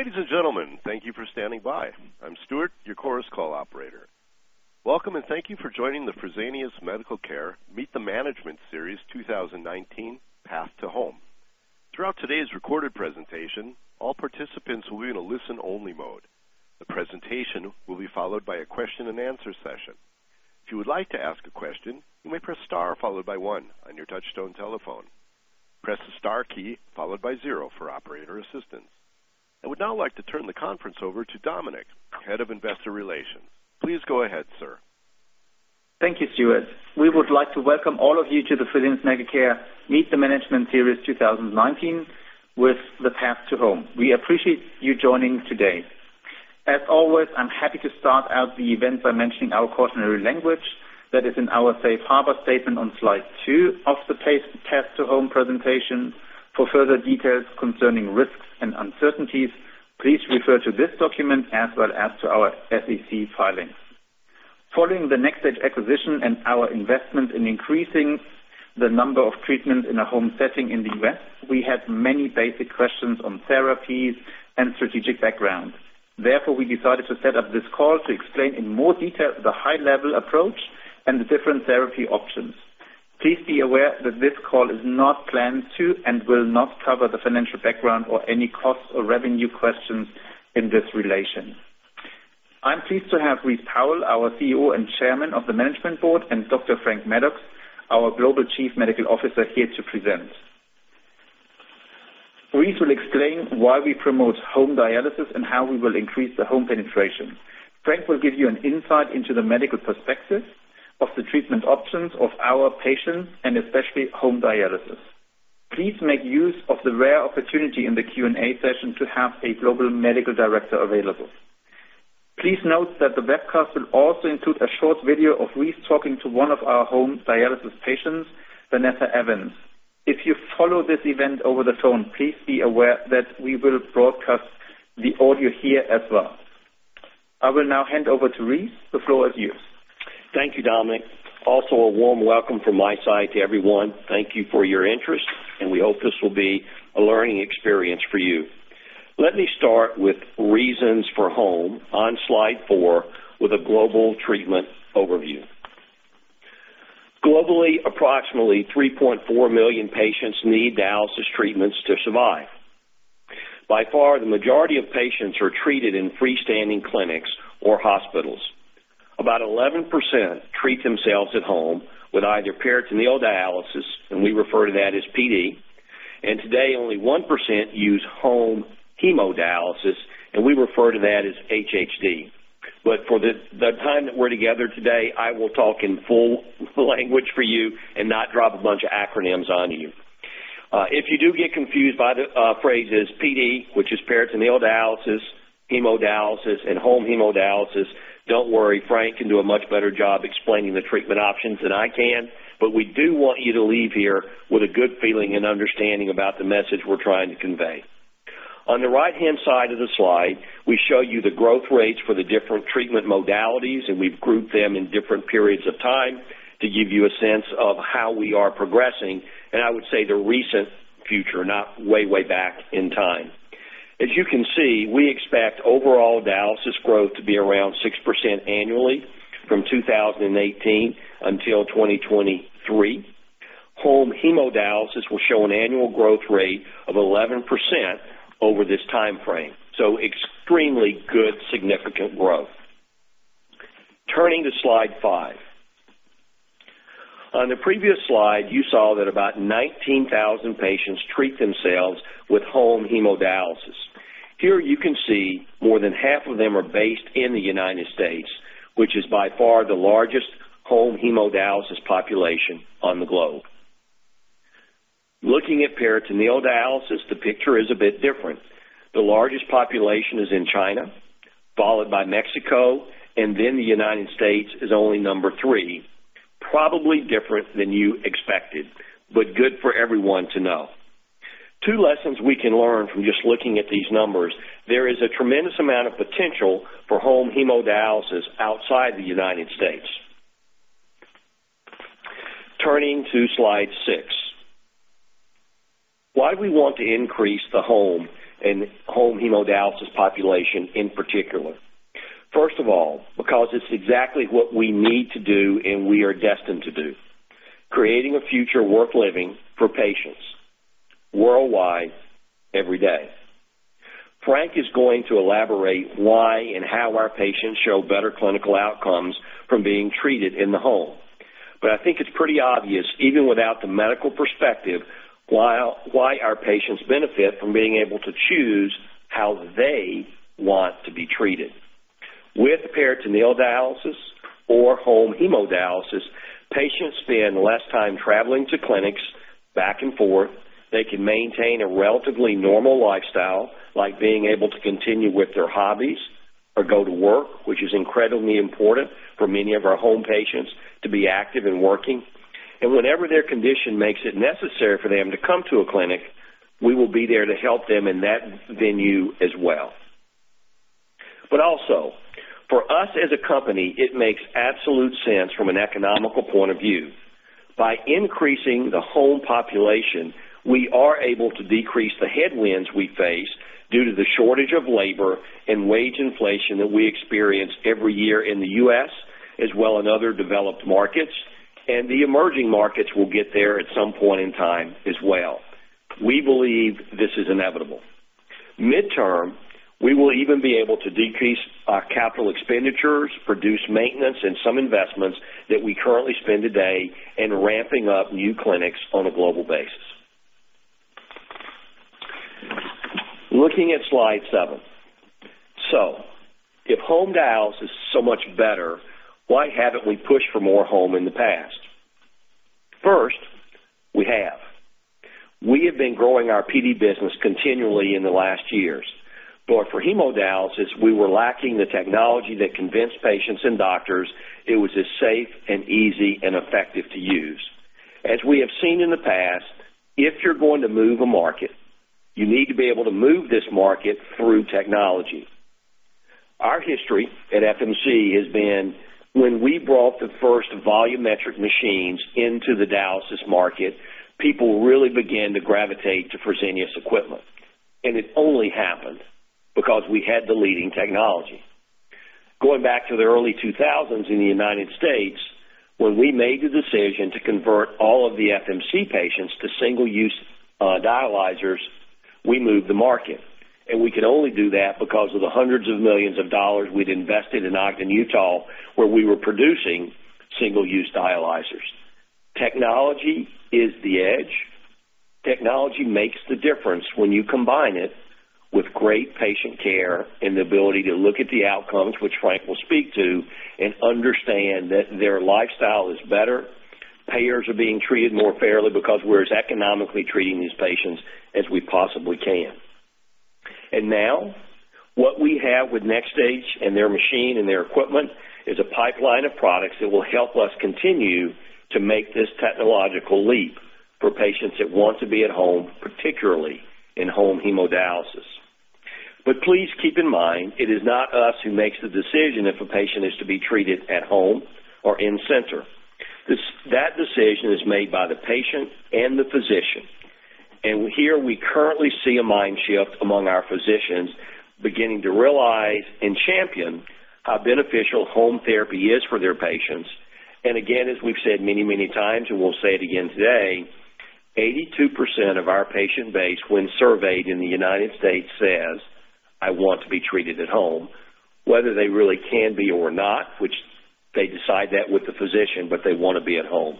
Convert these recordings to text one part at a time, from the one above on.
Ladies and gentlemen, thank you for standing by. I'm Stuart, your Chorus Call operator. Welcome, and thank you for joining the Fresenius Medical Care Meet the Management Series 2019, Path to Home. Throughout today's recorded presentation, all participants will be in a listen-only mode. The presentation will be followed by a question and answer session. If you would like to ask a question, you may press star followed by one on your touchtone telephone. Press the star key followed by zero for operator assistance. I would now like to turn the conference over to Dominik, Head of Investor Relations. Please go ahead, sir. Thank you, Stuart. We would like to welcome all of you to the Fresenius Medical Care Meet the Management Series 2019 with the Path to Home. We appreciate you joining today. As always, I'm happy to start out the event by mentioning our cautionary language that is in our safe harbor statement on slide two of the Path to Home presentation. For further details concerning risks and uncertainties, please refer to this document as well as to our SEC filings. Following the NxStage acquisition and our investment in increasing the number of treatments in a home setting in the U.S., we had many basic questions on therapies and strategic background. We decided to set up this call to explain in more detail the high-level approach and the different therapy options. Please be aware that this call is not planned to and will not cover the financial background or any cost or revenue questions in this relation. I am pleased to have Rice Powell, our CEO and Chairman of the Management Board, and Dr. Frank Maddux, our Global Chief Medical Officer, here to present. Rice will explain why we promote home dialysis and how we will increase the home penetration. Frank will give you an insight into the medical perspective of the treatment options of our patients and especially home dialysis. Please make use of the rare opportunity in the Q&A session to have a Global Medical Director available. Please note that the webcast will also include a short video of Rice talking to one of our home dialysis patients, Vanessa Evans. If you follow this event over the phone, please be aware that we will broadcast the audio here as well. I will now hand over to Rice. The floor is yours. Thank you, Dominik. Also, a warm welcome from my side to everyone. Thank you for your interest, and we hope this will be a learning experience for you. Let me start with reasons for home on slide four with a global treatment overview. Globally, approximately 3.4 million patients need dialysis treatments to survive. By far, the majority of patients are treated in freestanding clinics or hospitals. About 11% treat themselves at home with either peritoneal dialysis, and we refer to that as PD, and today, only 1% use home hemodialysis, and we refer to that as HHD. For the time that we're together today, I will talk in full language for you and not drop a bunch of acronyms on you. If you do get confused by the phrases PD, which is peritoneal dialysis, hemodialysis, and home hemodialysis, don't worry, Frank can do a much better job explaining the treatment options than I can. We do want you to leave here with a good feeling and understanding about the message we're trying to convey. On the right-hand side of the slide, we show you the growth rates for the different treatment modalities, and we've grouped them in different periods of time to give you a sense of how we are progressing, and I would say the recent future, not way back in time. As you can see, we expect overall dialysis growth to be around 6% annually from 2018 until 2023. Home hemodialysis will show an annual growth rate of 11% over this timeframe. Extremely good, significant growth. Turning to slide five. On the previous slide, you saw that about 19,000 patients treat themselves with home hemodialysis. Here you can see more than half of them are based in the U.S., which is by far the largest home hemodialysis population on the globe. Looking at peritoneal dialysis, the picture is a bit different. The largest population is in China, followed by Mexico, and then the U.S. is only number 3. Probably different than you expected, but good for everyone to know. Two lessons we can learn from just looking at these numbers. There is a tremendous amount of potential for home hemodialysis outside the U.S. Turning to slide six. Why do we want to increase the home and home hemodialysis population in particular? First of all, because it's exactly what we need to do and we are destined to do. Creating a future worth living for patients worldwide, every day. Frank is going to elaborate why and how our patients show better clinical outcomes from being treated in the home. I think it's pretty obvious, even without the medical perspective, why our patients benefit from being able to choose how they want to be treated. With peritoneal dialysis or home hemodialysis, patients spend less time traveling to clinics back and forth. They can maintain a relatively normal lifestyle, like being able to continue with their hobbies or go to work, which is incredibly important for many of our home patients to be active and working. Whenever their condition makes it necessary for them to come to a clinic, we will be there to help them in that venue as well. Also, for us as a company, it makes absolute sense from an economical point of view. By increasing the home population, we are able to decrease the headwinds we face due to the shortage of labor and wage inflation that we experience every year in the U.S., as well in other developed markets, and the emerging markets will get there at some point in time as well. We believe this is inevitable. Midterm, we will even be able to decrease our capital expenditures, produce maintenance and some investments that we currently spend today in ramping up new clinics on a global basis. Looking at slide seven. If home dialysis is so much better, why haven't we pushed for more home in the past? First, we have. We have been growing our PD business continually in the last years. For hemodialysis, we were lacking the technology that convinced patients and doctors it was as safe and easy and effective to use. As we have seen in the past, if you're going to move a market, you need to be able to move this market through technology. Our history at FMC has been when we brought the first volumetric machines into the dialysis market, people really began to gravitate to Fresenius equipment, and it only happened because we had the leading technology. Going back to the early 2000s in the United States, when we made the decision to convert all of the FMC patients to single-use dialyzers, we moved the market, and we could only do that because of the hundreds of millions of EUR we'd invested in Ogden, Utah, where we were producing single-use dialyzers. Technology is the edge. Technology makes the difference when you combine it with great patient care and the ability to look at the outcomes, which Frank will speak to, and understand that their lifestyle is better. Payers are being treated more fairly because we're as economically treating these patients as we possibly can. Now what we have with NxStage and their machine and their equipment is a pipeline of products that will help us continue to make this technological leap for patients that want to be at home, particularly in-home hemodialysis. Please keep in mind, it is not us who makes the decision if a patient is to be treated at home or in-center. That decision is made by the patient and the physician. Here we currently see a mind shift among our physicians beginning to realize and champion how beneficial home therapy is for their patients. Again, as we've said many, many times, and we'll say it again today, 82% of our patient base when surveyed in the United States says, "I want to be treated at home." Whether they really can be or not, which they decide that with the physician, but they want to be at home.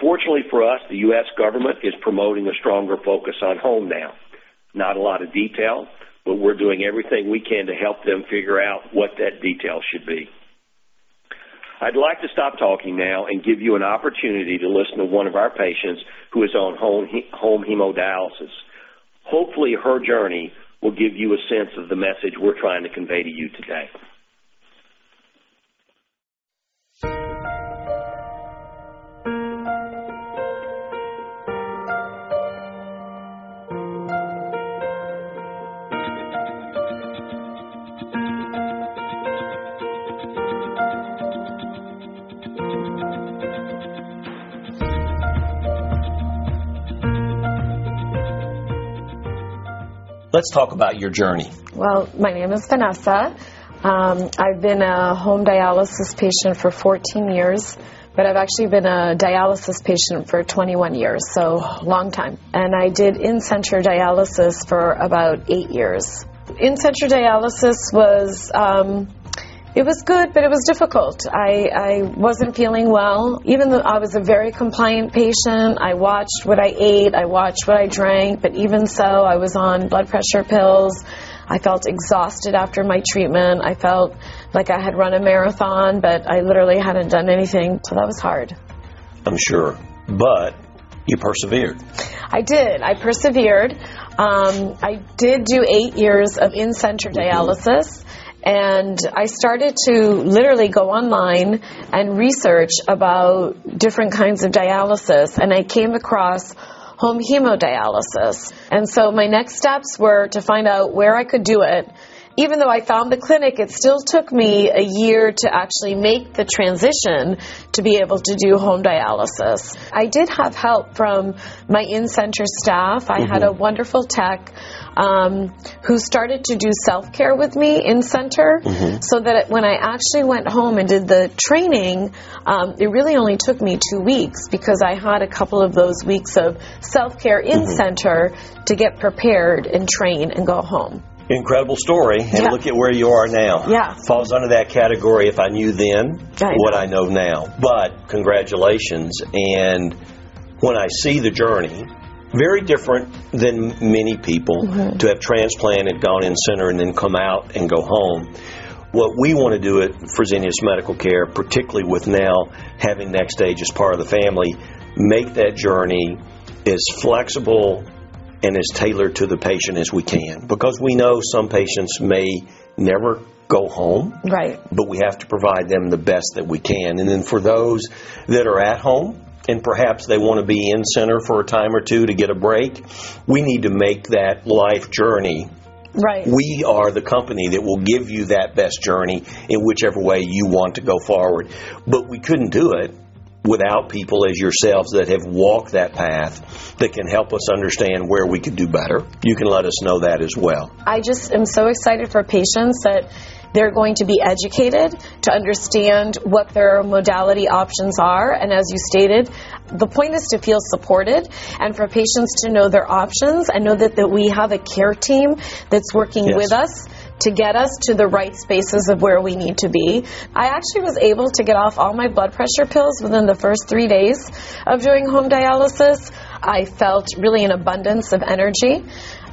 Fortunately for us, the U.S. government is promoting a stronger focus on home now. Not a lot of detail, but we're doing everything we can to help them figure out what that detail should be. I'd like to stop talking now and give you an opportunity to listen to one of our patients who is on home hemodialysis. Hopefully, her journey will give you a sense of the message we're trying to convey to you today. Let's talk about your journey. Well, my name is Vanessa. I've been a home dialysis patient for 14 years, but I've actually been a dialysis patient for 21 years, so a long time. I did in-center dialysis for about eight years. In-center dialysis was good, but it was difficult. I wasn't feeling well. Even though I was a very compliant patient, I watched what I ate, I watched what I drank, but even so, I was on blood pressure pills. I felt exhausted after my treatment. I felt like I had run a marathon, but I literally hadn't done anything. That was hard. I'm sure. You persevered. I did. I persevered. I did do eight years of in-center dialysis, I started to literally go online and research about different kinds of dialysis, and I came across home hemodialysis. My next steps were to find out where I could do it. Even though I found the clinic, it still took me a year to actually make the transition to be able to do home dialysis. I did have help from my in-center staff. I had a wonderful tech, who started to do self-care with me in-center. That when I actually went home and did the training, it really only took me two weeks because I had a couple of those weeks of self-care in-center. to get prepared and train and go home. Incredible story. Yeah. Look at where you are now. Yeah. Falls under that category, if I knew then. Right what I know now. Congratulations. When I see the journey, very different than many people. to have transplanted, gone in-center, and then come out and go home. What we want to do at Fresenius Medical Care, particularly with now having NxStage as part of the family, make that journey as flexible and as tailored to the patient as we can. Because we know some patients may never go home. Right. We have to provide them the best that we can. For those that are at home, perhaps they want to be in-center for a time or two to get a break, we need to make that life journey. Right. We are the company that will give you that best journey in whichever way you want to go forward. We couldn't do it without people as yourselves that have walked that path, that can help us understand where we could do better. You can let us know that as well. I just am so excited for patients that they're going to be educated to understand what their modality options are. As you stated, the point is to feel supported and for patients to know their options and know that we have a care team that's working with us. Yes to get us to the right spaces of where we need to be. I actually was able to get off all my blood pressure pills within the first three days of doing home dialysis. I felt really an abundance of energy.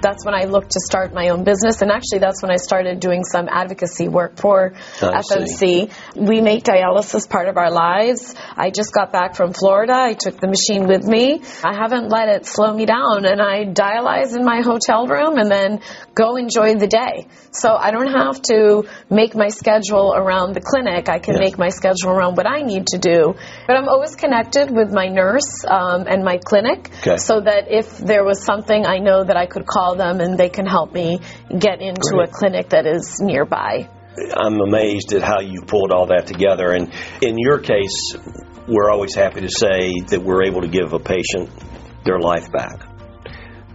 That's when I looked to start my own business. Actually, that's when I started doing some advocacy work for FMC. I see. We make dialysis part of our lives. I just got back from Florida. I took the machine with me. I haven't let it slow me down, and I dialyze in my hotel room and then go enjoy the day. I don't have to make my schedule around the clinic. Yes. I can make my schedule around what I need to do. I'm always connected with my nurse and my clinic. Good. That if there was something, I know that I could call them, and they can help me get into. Great a clinic that is nearby. I'm amazed at how you pulled all that together. In your case, we're always happy to say that we're able to give a patient their life back.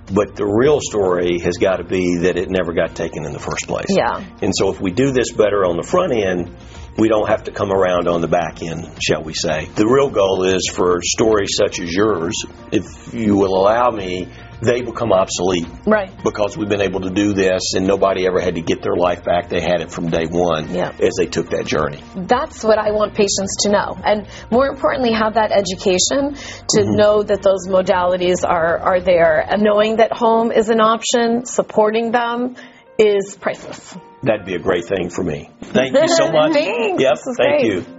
The real story has got to be that it never got taken in the first place. Yeah. If we do this better on the front end, we don't have to come around on the back end, shall we say. The real goal is for stories such as yours, if you will allow me, they become obsolete. Right. We've been able to do this, and nobody ever had to get their life back. They had it from day one. Yeah as they took that journey. That's what I want patients to know, and more importantly, have that education. to know that those modalities are there. Knowing that home is an option, supporting them is priceless. That'd be a great thing for me. Thank you so much. Thanks. Yep. This was great. Thank you.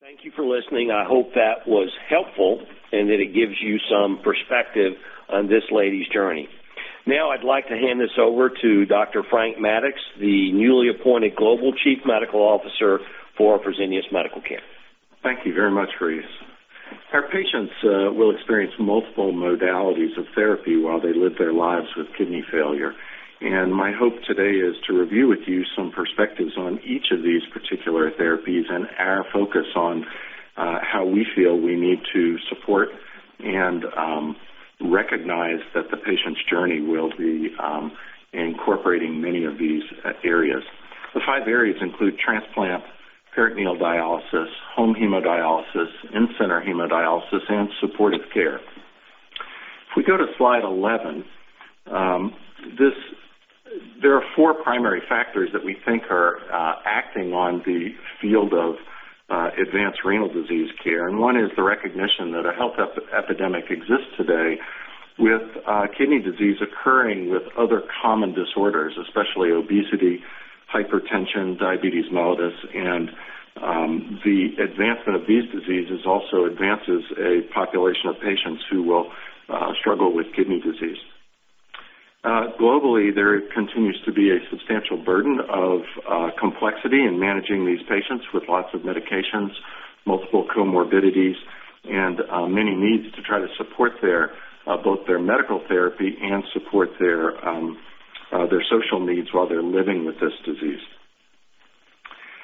Thank you for listening. I hope that was helpful and that it gives you some perspective on this lady's journey. Now I'd like to hand this over to Dr. Frank Maddux, the newly appointed Global Chief Medical Officer for Fresenius Medical Care. Thank you very much, Rice. Our patients will experience multiple modalities of therapy while they live their lives with kidney failure. My hope today is to review with you some perspectives on each of these particular therapies and our focus on how we feel we need to support and recognize that the patient's journey will be incorporating many of these areas. The five areas include transplant, peritoneal dialysis, home hemodialysis, in-center hemodialysis, and supportive care. If we go to slide 11, there are four primary factors that we think are acting on the field of advanced renal disease care, and one is the recognition that a health epidemic exists today with kidney disease occurring with other common disorders, especially obesity, hypertension, diabetes mellitus. The advancement of these diseases also advances a population of patients who will struggle with kidney disease. Globally, there continues to be a substantial burden of complexity in managing these patients with lots of medications, multiple comorbidities, and many needs to try to support both their medical therapy and support their social needs while they're living with this disease.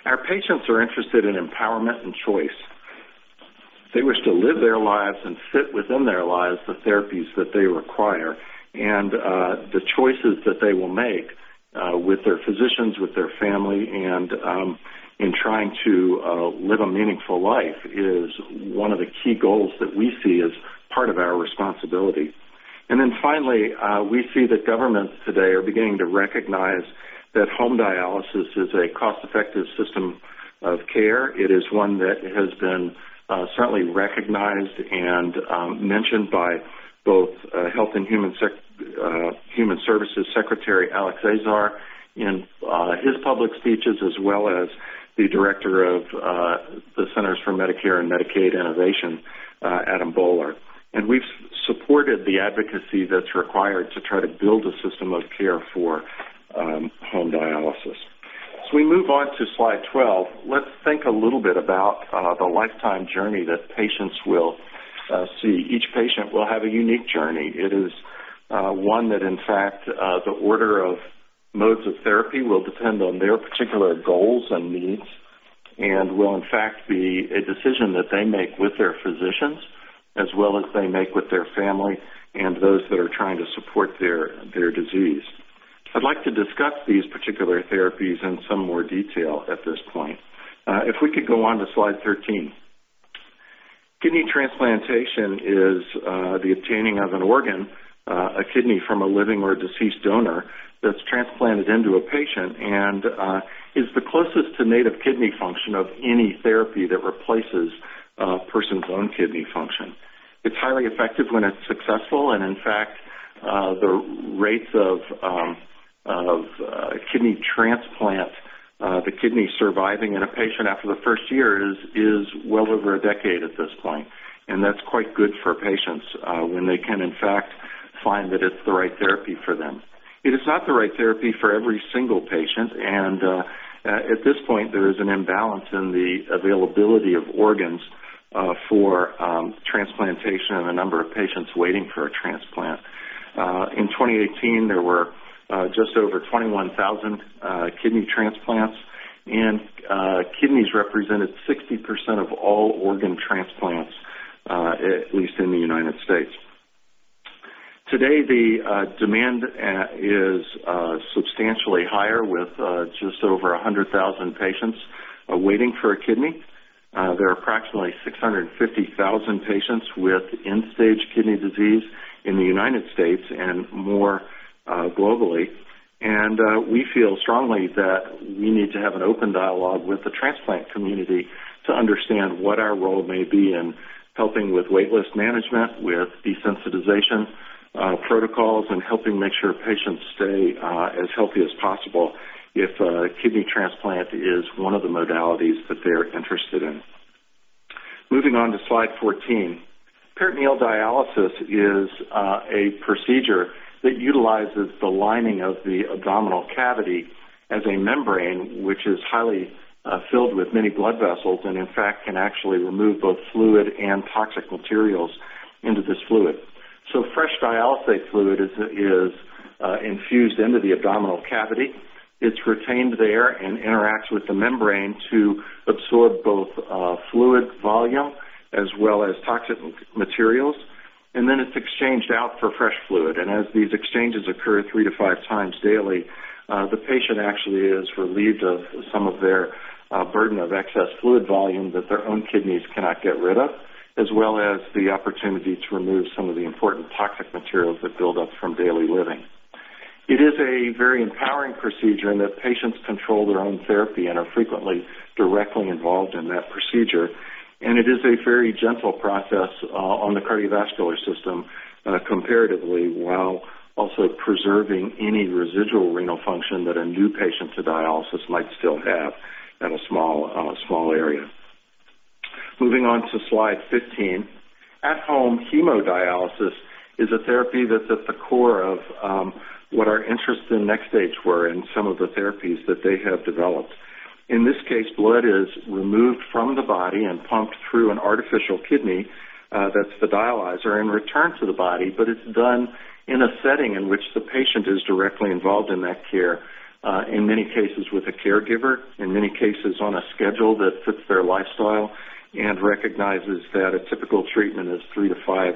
Our patients are interested in empowerment and choice. They wish to live their lives and fit within their lives the therapies that they require. The choices that they will make, with their physicians, with their family, and in trying to live a meaningful life, is one of the key goals that we see as part of our responsibility. Finally, we see that governments today are beginning to recognize that home dialysis is a cost-effective system of care. It is one that has been certainly recognized and mentioned by both Health and Human Services Secretary Alex Azar in his public speeches, as well as the Director of the Center for Medicare and Medicaid Innovation, Adam Boehler. We've supported the advocacy that's required to try to build a system of care for home dialysis. As we move on to slide 12, let's think a little bit about the lifetime journey that patients will see. Each patient will have a unique journey. It is one that, in fact, the order of modes of therapy will depend on their particular goals and needs and will, in fact, be a decision that they make with their physicians, as well as they make with their family and those that are trying to support their disease. I'd like to discuss these particular therapies in some more detail at this point. If we could go on to slide 13. Kidney transplantation is the obtaining of an organ, a kidney from a living or a deceased donor, that's transplanted into a patient and is the closest to native kidney function of any therapy that replaces a person's own kidney function. It's highly effective when it's successful, and in fact, the rates of kidney transplant, the kidney surviving in a patient after the first year is well over a decade at this point, and that's quite good for patients when they can, in fact, find that it's the right therapy for them. It is not the right therapy for every single patient, and at this point, there is an imbalance in the availability of organs for transplantation and the number of patients waiting for a transplant. In 2018, there were just over 21,000 kidney transplants, and kidneys represented 60% of all organ transplants, at least in the U.S. Today, the demand is substantially higher, with just over 100,000 patients waiting for a kidney. There are approximately 650,000 patients with end-stage kidney disease in the U.S. and more globally. We feel strongly that we need to have an open dialogue with the transplant community to understand what our role may be in helping with wait list management, with desensitization protocols, and helping make sure patients stay as healthy as possible if a kidney transplant is one of the modalities that they're interested in. Moving on to slide 14. Peritoneal dialysis is a procedure that utilizes the lining of the abdominal cavity as a membrane, which is highly filled with many blood vessels and, in fact, can actually remove both fluid and toxic materials into this fluid. Fresh dialysate fluid is infused into the abdominal cavity. It's retained there and interacts with the membrane to absorb both fluid volume as well as toxic materials, and then it's exchanged out for fresh fluid. As these exchanges occur three to five times daily, the patient actually is relieved of some of their burden of excess fluid volume that their own kidneys cannot get rid of, as well as the opportunity to remove some of the important toxic materials that build up from daily living. It is a very empowering procedure in that patients control their own therapy and are frequently directly involved in that procedure. It is a very gentle process on the cardiovascular system comparatively, while also preserving any residual renal function that a new patient to dialysis might still have at a small area. Moving on to slide 15. Home hemodialysis is a therapy that's at the core of what our interests in NxStage were and some of the therapies that they have developed. In this case, blood is removed from the body and pumped through an artificial kidney, that's the dialyzer, and returned to the body. It's done in a setting in which the patient is directly involved in that care, in many cases with a caregiver, in many cases on a schedule that fits their lifestyle and recognizes that a typical treatment is three to five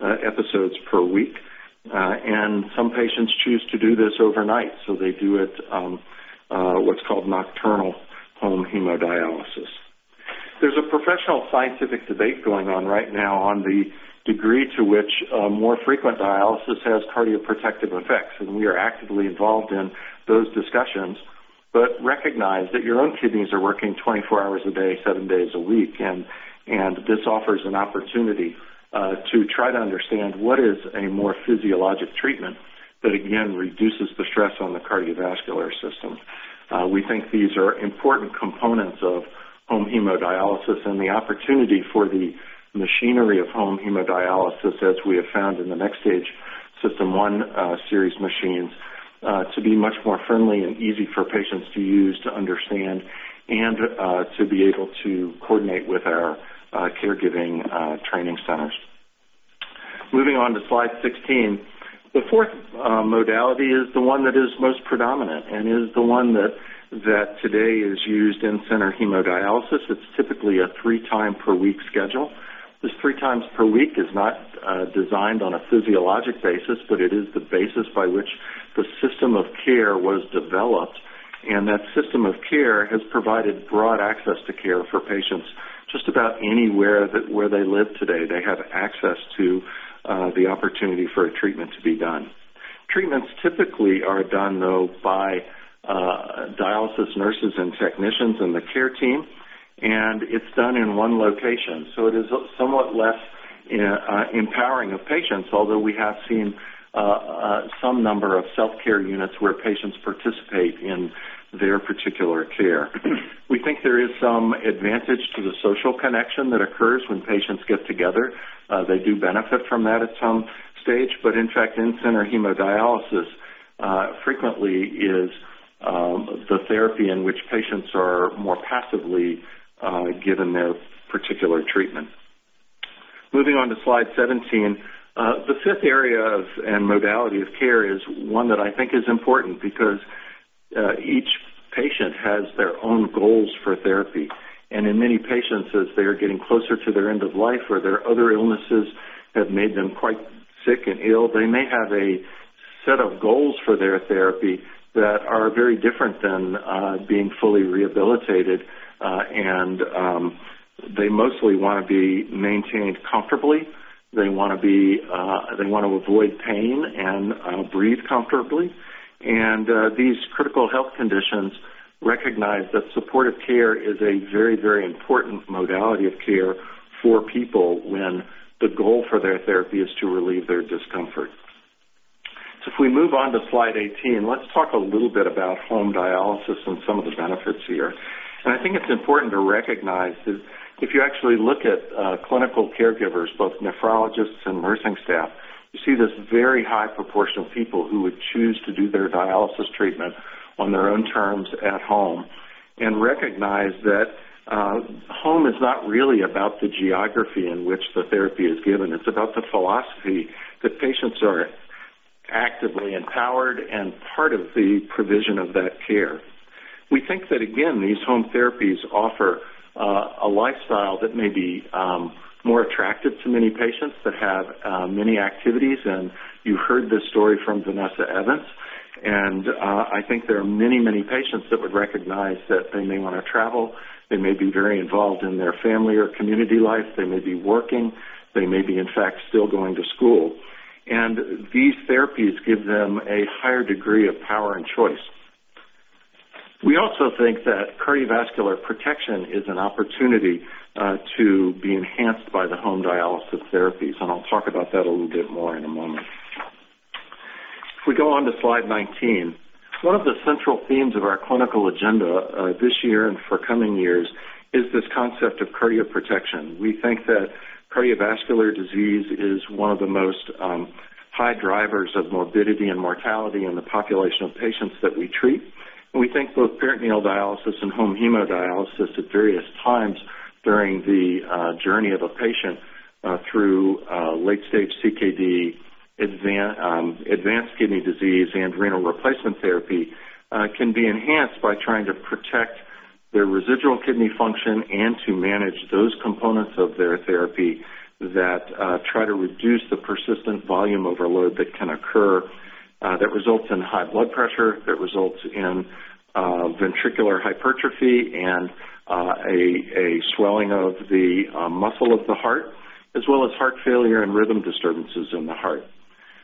episodes per week. Some patients choose to do this overnight. They do it what's called nocturnal home hemodialysis. There's a professional scientific debate going on right now on the degree to which more frequent dialysis has cardioprotective effects. We are actively involved in those discussions. Recognize that your own kidneys are working 24 hours a day, seven days a week. This offers an opportunity to try to understand what is a more physiologic treatment that, again, reduces the stress on the cardiovascular system. We think these are important components of home hemodialysis and the opportunity for the machinery of home hemodialysis, as we have found in the NxStage System One series machines, to be much more friendly and easy for patients to use, to understand, and to be able to coordinate with our caregiving training centers. Moving on to slide 16. The fourth modality is the one that is most predominant and is the one that today is used in-center hemodialysis. It's typically a three-time per week schedule. This three times per week is not designed on a physiologic basis. It is the basis by which the system of care was developed. That system of care has provided broad access to care for patients just about anywhere where they live today. They have access to the opportunity for a treatment to be done. Treatments typically are done, though, by dialysis nurses and technicians and the care team. It's done in one location. It is somewhat less empowering of patients. Although we have seen some number of self-care units where patients participate in their particular care. We think there is some advantage to the social connection that occurs when patients get together. They do benefit from that at some stage. In fact, in-center hemodialysis frequently is the therapy in which patients are more passively given their particular treatment. Moving on to slide 17. The fifth area of modality of care is one that I think is important because each patient has their own goals for therapy. In many patients, as they are getting closer to their end of life or their other illnesses have made them quite sick and ill, they may have a set of goals for their therapy that are very different than being fully rehabilitated. They mostly want to be maintained comfortably. They want to avoid pain and breathe comfortably. These critical health conditions recognize that supportive care is a very, very important modality of care for people when the goal for their therapy is to relieve their discomfort. If we move on to slide 18, let's talk a little bit about home dialysis and some of the benefits here. I think it's important to recognize that if you actually look at clinical caregivers, both nephrologists and nursing staff. You see this very high proportion of people who would choose to do their dialysis treatment on their own terms at home and recognize that home is not really about the geography in which the therapy is given. It's about the philosophy that patients are actively empowered and part of the provision of that care. We think that, again, these home therapies offer a lifestyle that may be more attractive to many patients that have many activities. You heard this story from Vanessa Evans, I think there are many patients that would recognize that they may want to travel, they may be very involved in their family or community life, they may be working, they may be, in fact, still going to school. These therapies give them a higher degree of power and choice. We also think that cardiovascular protection is an opportunity to be enhanced by the home dialysis therapies, I'll talk about that a little bit more in a moment. If we go on to slide 19, one of the central themes of our clinical agenda this year and for coming years is this concept of cardioprotection. We think that cardiovascular disease is one of the most high drivers of morbidity and mortality in the population of patients that we treat. We think both peritoneal dialysis and home hemodialysis at various times during the journey of a patient through late stage CKD, advanced kidney disease, and renal replacement therapy can be enhanced by trying to protect their residual kidney function and to manage those components of their therapy that try to reduce the persistent volume overload that can occur that results in high blood pressure, that results in ventricular hypertrophy and a swelling of the muscle of the heart, as well as heart failure and rhythm disturbances in the heart.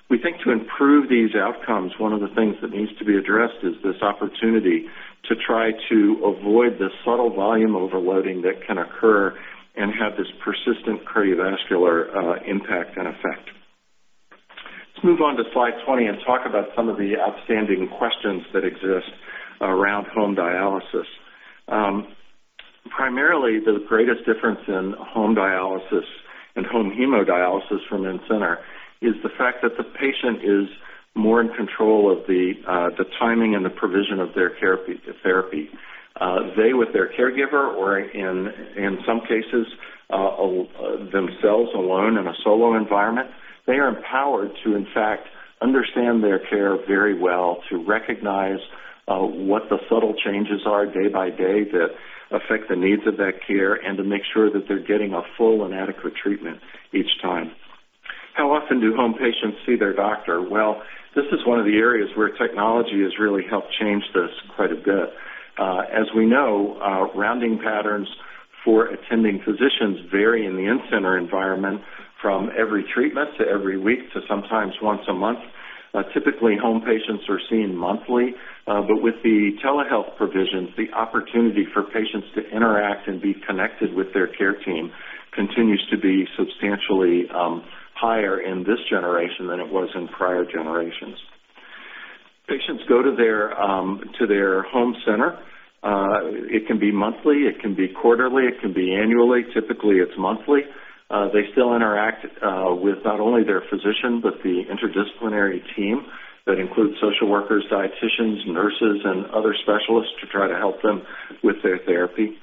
We think to improve these outcomes, one of the things that needs to be addressed is this opportunity to try to avoid the subtle volume overloading that can occur and have this persistent cardiovascular impact and effect. Let's move on to slide 20 and talk about some of the outstanding questions that exist around home dialysis. Primarily, the greatest difference in home dialysis and home hemodialysis from in-center is the fact that the patient is more in control of the timing and the provision of their therapy. They with their caregiver, or in some cases, themselves alone in a solo environment, they are empowered to, in fact, understand their care very well, to recognize what the subtle changes are day by day that affect the needs of that care, and to make sure that they're getting a full and adequate treatment each time. How often do home patients see their doctor? This is one of the areas where technology has really helped change this quite a bit. As we know, rounding patterns for attending physicians vary in the in-center environment from every treatment to every week to sometimes once a month. Typically, home patients are seen monthly. With the telehealth provisions, the opportunity for patients to interact and be connected with their care team continues to be substantially higher in this generation than it was in prior generations. Patients go to their home center. It can be monthly. It can be quarterly. It can be annually. Typically, it's monthly. They still interact with not only their physician but the interdisciplinary team. That includes social workers, dietitians, nurses, and other specialists to try to help them with their therapy.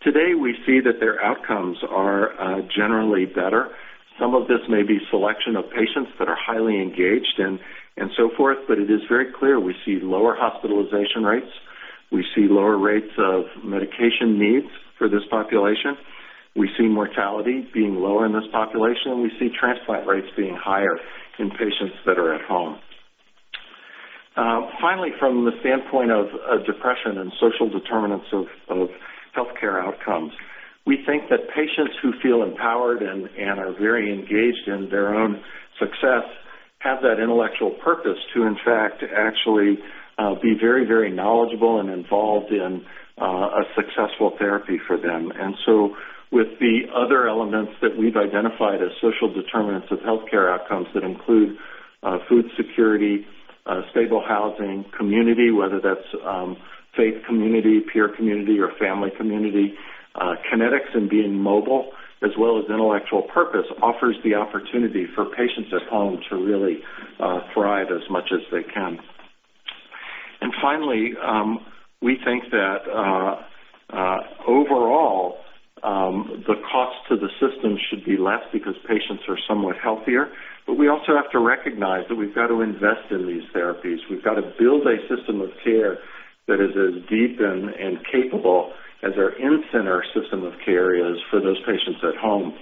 Today, we see that their outcomes are generally better. Some of this may be selection of patients that are highly engaged and so forth, but it is very clear we see lower hospitalization rates, we see lower rates of medication needs for this population, we see mortality being lower in this population, and we see transplant rates being higher in patients that are at home. Finally, from the standpoint of depression and social determinants of healthcare outcomes, we think that patients who feel empowered and are very engaged in their own success have that intellectual purpose to, in fact, actually be very knowledgeable and involved in a successful therapy for them. With the other elements that we've identified as social determinants of healthcare outcomes that include food security, stable housing, community, whether that's faith community, peer community, or family community, kinetics, and being mobile, as well as intellectual purpose, offers the opportunity for patients at home to really thrive as much as they can. Finally, we think that overall, the cost to the system should be less because patients are somewhat healthier. We also have to recognize that we've got to invest in these therapies. We've got to build a system of care that is as deep and capable as our in-center system of care is for those patients at home,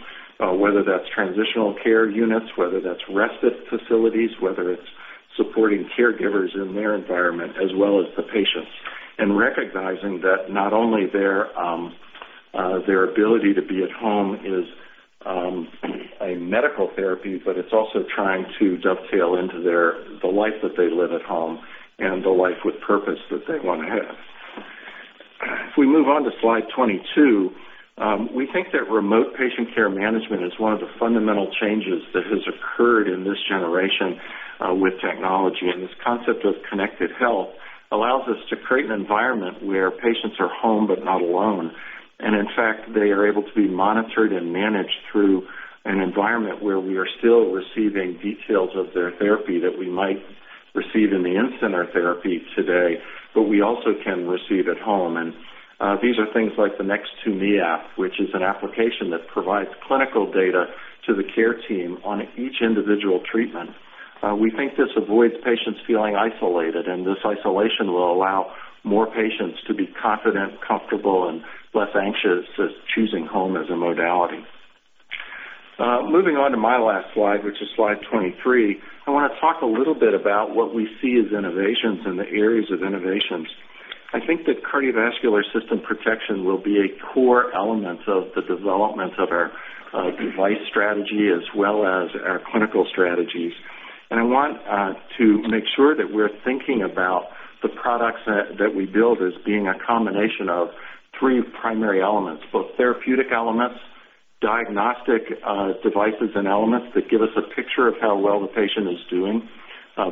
whether that's transitional care units, whether that's respite facilities, whether it's supporting caregivers in their environment as well as the patients. Recognizing that not only their ability to be at home is a medical therapy, but it's also trying to dovetail into the life that they live at home and the life with purpose that they want to have. If we move on to slide 22, we think that remote patient care management is one of the fundamental changes that has occurred in this generation. With technology. This concept of connected health allows us to create an environment where patients are home but not alone. In fact, they are able to be monitored and managed through an environment where we are still receiving details of their therapy that we might receive in the in-center therapy today, but we also can receive at home. These are things like the Nx2me app, which is an application that provides clinical data to the care team on each individual treatment. We think this avoids patients feeling isolated. This isolation will allow more patients to be confident, comfortable, and less anxious as choosing home as a modality. Moving on to my last slide, which is slide 23, I want to talk a little bit about what we see as innovations and the areas of innovations. I think that cardiovascular system protection will be a core element of the development of our device strategy as well as our clinical strategies. I want to make sure that we're thinking about the products that we build as being a combination of three primary elements, both therapeutic elements, diagnostic devices and elements that give us a picture of how well the patient is doing,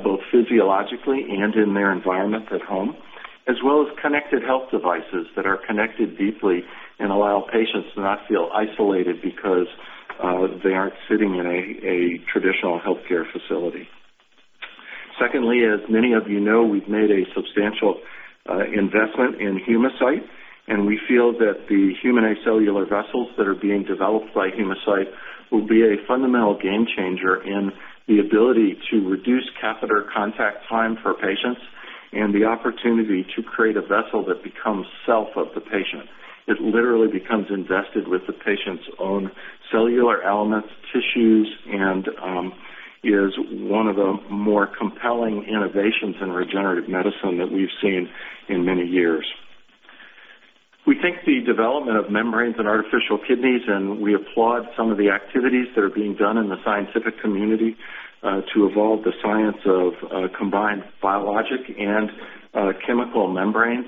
both physiologically and in their environment at home, as well as connected health devices that are connected deeply and allow patients to not feel isolated because they aren't sitting in a traditional healthcare facility. Secondly, as many of you know, we've made a substantial investment in Humacyte. We feel that the Human Acellular Vessels that are being developed by Humacyte will be a fundamental game changer in the ability to reduce catheter contact time for patients and the opportunity to create a vessel that becomes self of the patient. It literally becomes invested with the patient's own cellular elements, tissues, is one of the more compelling innovations in regenerative medicine that we've seen in many years. We think the development of membranes and artificial kidneys. We applaud some of the activities that are being done in the scientific community to evolve the science of combined biologic and chemical membranes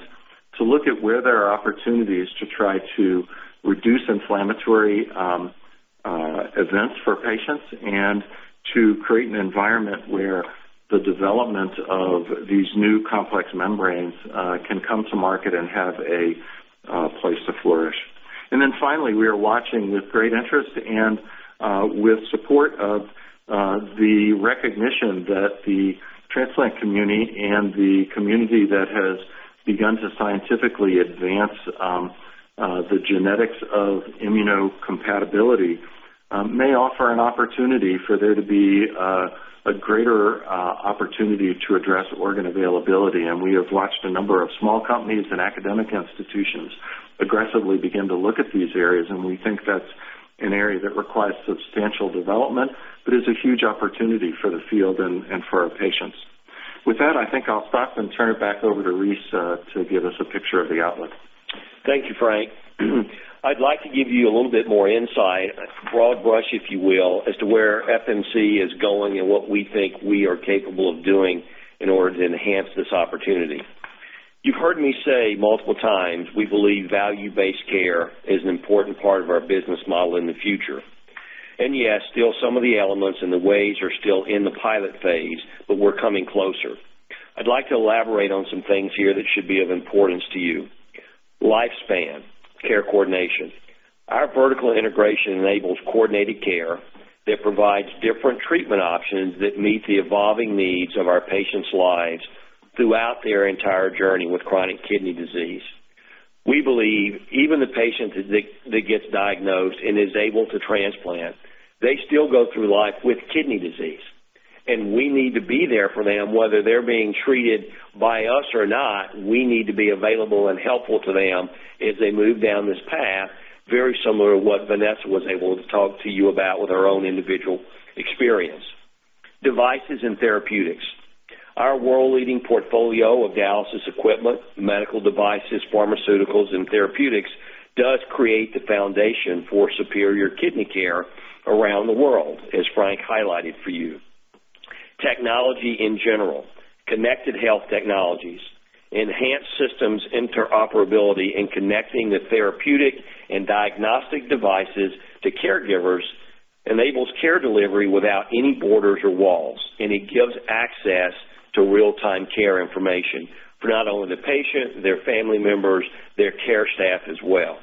to look at where there are opportunities to try to reduce inflammatory events for patients and to create an environment where the development of these new complex membranes can come to market and have a place to flourish. Finally, we are watching with great interest and with support of the recognition that the transplant community and the community that has begun to scientifically advance the genetics of immunocompatibility may offer an opportunity for there to be a greater opportunity to address organ availability. We have watched a number of small companies and academic institutions aggressively begin to look at these areas. We think that's an area that requires substantial development but is a huge opportunity for the field and for our patients. With that, I think I'll stop and turn it back over to Rice to give us a picture of the outlook. Thank you, Frank. I'd like to give you a little bit more insight, a broad brush, if you will, as to where FMC is going and what we think we are capable of doing in order to enhance this opportunity. You've heard me say multiple times, we believe value-based care is an important part of our business model in the future. Yes, still some of the elements and the ways are still in the pilot phase, we're coming closer. I'd like to elaborate on some things here that should be of importance to you. Lifespan care coordination. Our vertical integration enables coordinated care that provides different treatment options that meet the evolving needs of our patients' lives throughout their entire journey with chronic kidney disease. We believe even the patient that gets diagnosed and is able to transplant, they still go through life with kidney disease, we need to be there for them. Whether they're being treated by us or not, we need to be available and helpful to them as they move down this path, very similar to what Vanessa was able to talk to you about with her own individual experience. Devices and therapeutics. Our world-leading portfolio of dialysis equipment, medical devices, pharmaceuticals, and therapeutics does create the foundation for superior kidney care around the world, as Frank highlighted for you. Technology in general, connected health technologies, enhanced systems interoperability, connecting the therapeutic and diagnostic devices to caregivers enables care delivery without any borders or walls, it gives access to real-time care information for not only the patient, their family members, their care staff as well.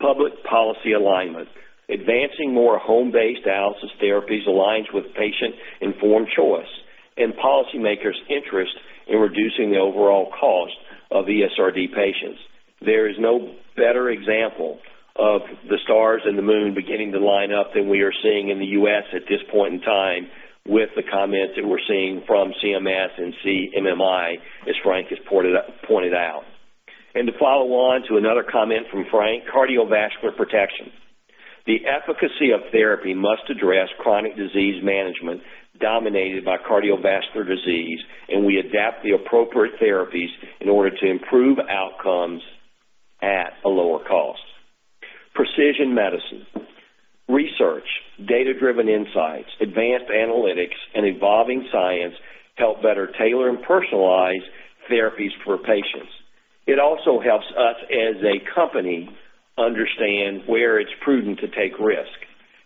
Public policy alignment. Advancing more home-based dialysis therapies aligns with patient-informed choice and policymakers' interest in reducing the overall cost of ESRD patients. There is no better example of the stars and the moon beginning to line up than we are seeing in the U.S. at this point in time with the comments that we're seeing from CMS and CMMI, as Frank has pointed out. To follow on to another comment from Frank, cardiovascular protection. The efficacy of therapy must address chronic disease management dominated by cardiovascular disease, we adapt the appropriate therapies in order to improve outcomes at a lower cost. Precision medicine. Research, data-driven insights, advanced analytics, and evolving science help better tailor and personalize therapies for patients, it also helps us as a company understand where it's prudent to take risk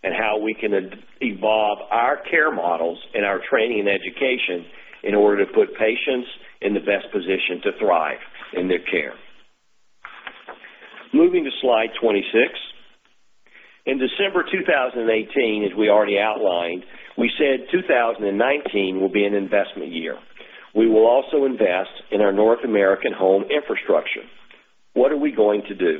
and how we can evolve our care models and our training and education in order to put patients in the best position to thrive in their care. Moving to slide 26. In December 2018, as we already outlined, we said 2019 will be an investment year. We will also invest in our North American home infrastructure. What are we going to do?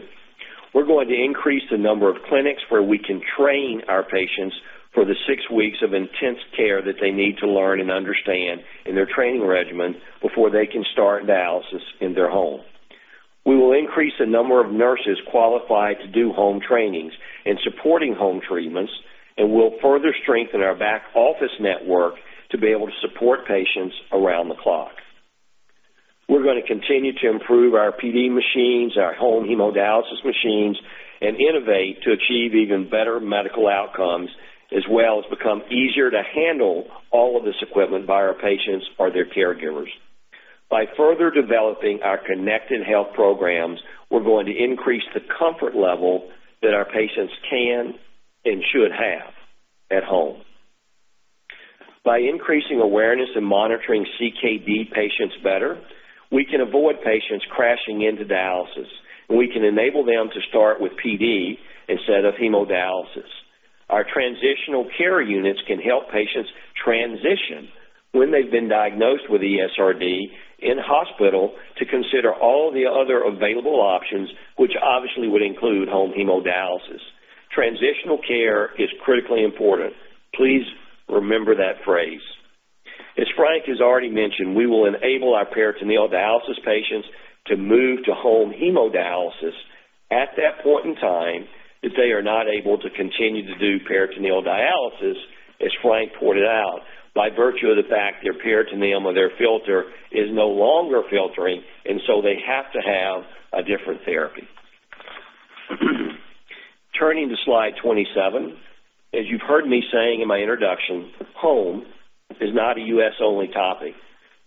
We're going to increase the number of clinics where we can train our patients for the six weeks of intense care that they need to learn and understand in their training regimen before they can start dialysis in their home. We will increase the number of nurses qualified to do home trainings and supporting home treatments. We will further strengthen our back-office network to be able to support patients around the clock. We are going to continue to improve our PD machines, our home hemodialysis machines, and innovate to achieve even better medical outcomes, as well as become easier to handle all of this equipment by our patients or their caregivers. By further developing our connected health programs, we are going to increase the comfort level that our patients can and should have at home. By increasing awareness and monitoring CKD patients better, we can avoid patients crashing into dialysis, and we can enable them to start with PD instead of hemodialysis. Our transitional care units can help patients transition when they have been diagnosed with ESRD in hospital to consider all the other available options, which obviously would include home hemodialysis. Transitional care is critically important. Please remember that phrase. As Frank has already mentioned, we will enable our peritoneal dialysis patients to move to home hemodialysis at that point in time if they are not able to continue to do peritoneal dialysis, as Frank pointed out, by virtue of the fact their peritoneum or their filter is no longer filtering. So they have to have a different therapy. Turning to slide 27. As you have heard me saying in my introduction, home is not a U.S.-only topic.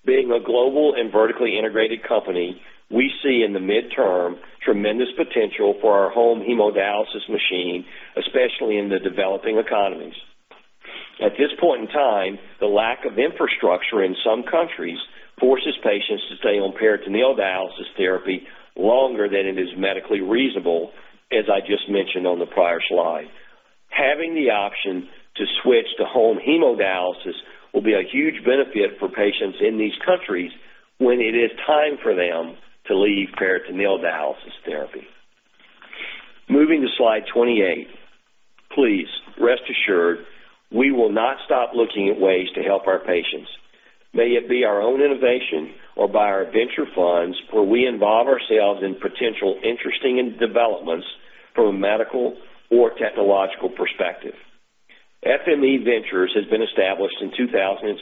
Being a global and vertically integrated company, we see in the midterm tremendous potential for our home hemodialysis machine, especially in the developing economies. At this point in time, the lack of infrastructure in some countries forces patients to stay on peritoneal dialysis therapy longer than it is medically reasonable, as I just mentioned on the prior slide. Having the option to switch to home hemodialysis will be a huge benefit for patients in these countries when it is time for them to leave peritoneal dialysis therapy. Moving to slide 28. Please rest assured, we will not stop looking at ways to help our patients, may it be our own innovation or by our venture funds where we involve ourselves in potential interesting developments from a medical or technological perspective. FMC Ventures has been established in 2016.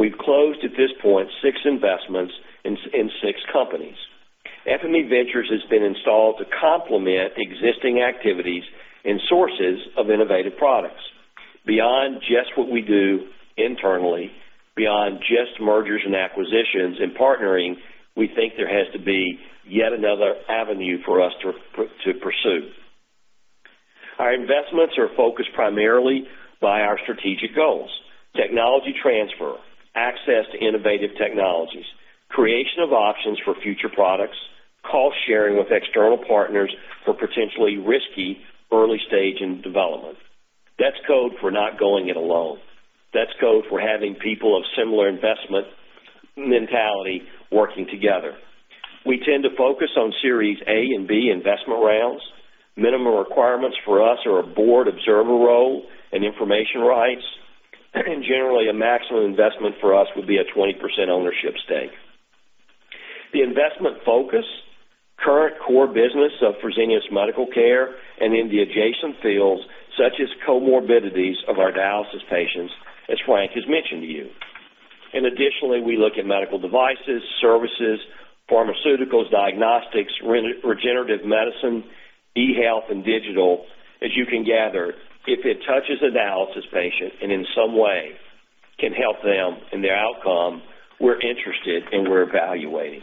We have closed at this point six investments in six companies. FMC Ventures has been installed to complement existing activities and sources of innovative products. Beyond just what we do internally, beyond just mergers and acquisitions and partnering, we think there has to be yet another avenue for us to pursue. Our investments are focused primarily by our strategic goals, technology transfer, access to innovative technologies, creation of options for future products, cost-sharing with external partners for potentially risky early-stage in development. That is code for not going it alone. That is code for having people of similar investment mentality working together. We tend to focus on Series A and B investment rounds. Minimum requirements for us are a board observer role and information rights. Generally, a maximum investment for us would be a 20% ownership stake. The investment focus, current core business of Fresenius Medical Care and in the adjacent fields such as comorbidities of our dialysis patients, as Frank has mentioned to you. Additionally, we look at medical devices, services, pharmaceuticals, diagnostics, regenerative medicine, e-health, and digital. As you can gather, if it touches a dialysis patient and in some way can help them in their outcome, we are interested and we are evaluating.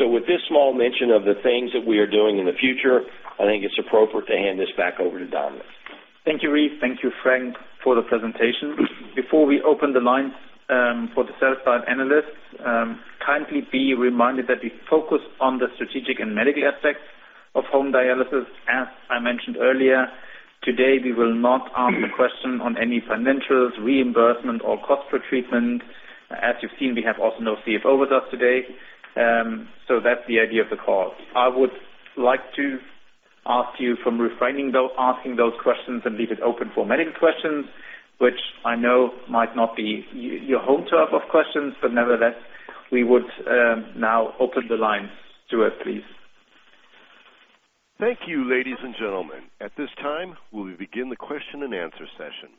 With this small mention of the things that we are doing in the future, I think it is appropriate to hand this back over to Dominik. Thank you, Rice. Thank you, Frank, for the presentation. Before we open the lines for the sell-side analysts, kindly be reminded that we focus on the strategic and medical aspects of home dialysis. As I mentioned earlier, today we will not answer questions on any financials, reimbursement, or cost per treatment. As you've seen, we have also no CFO with us today. That's the idea of the call. I would like to ask you from refraining though asking those questions and leave it open for medical questions, which I know might not be your home turf of questions, but nevertheless, we would now open the lines to it, please. Thank you, ladies and gentlemen. At this time, we will begin the question and answer session.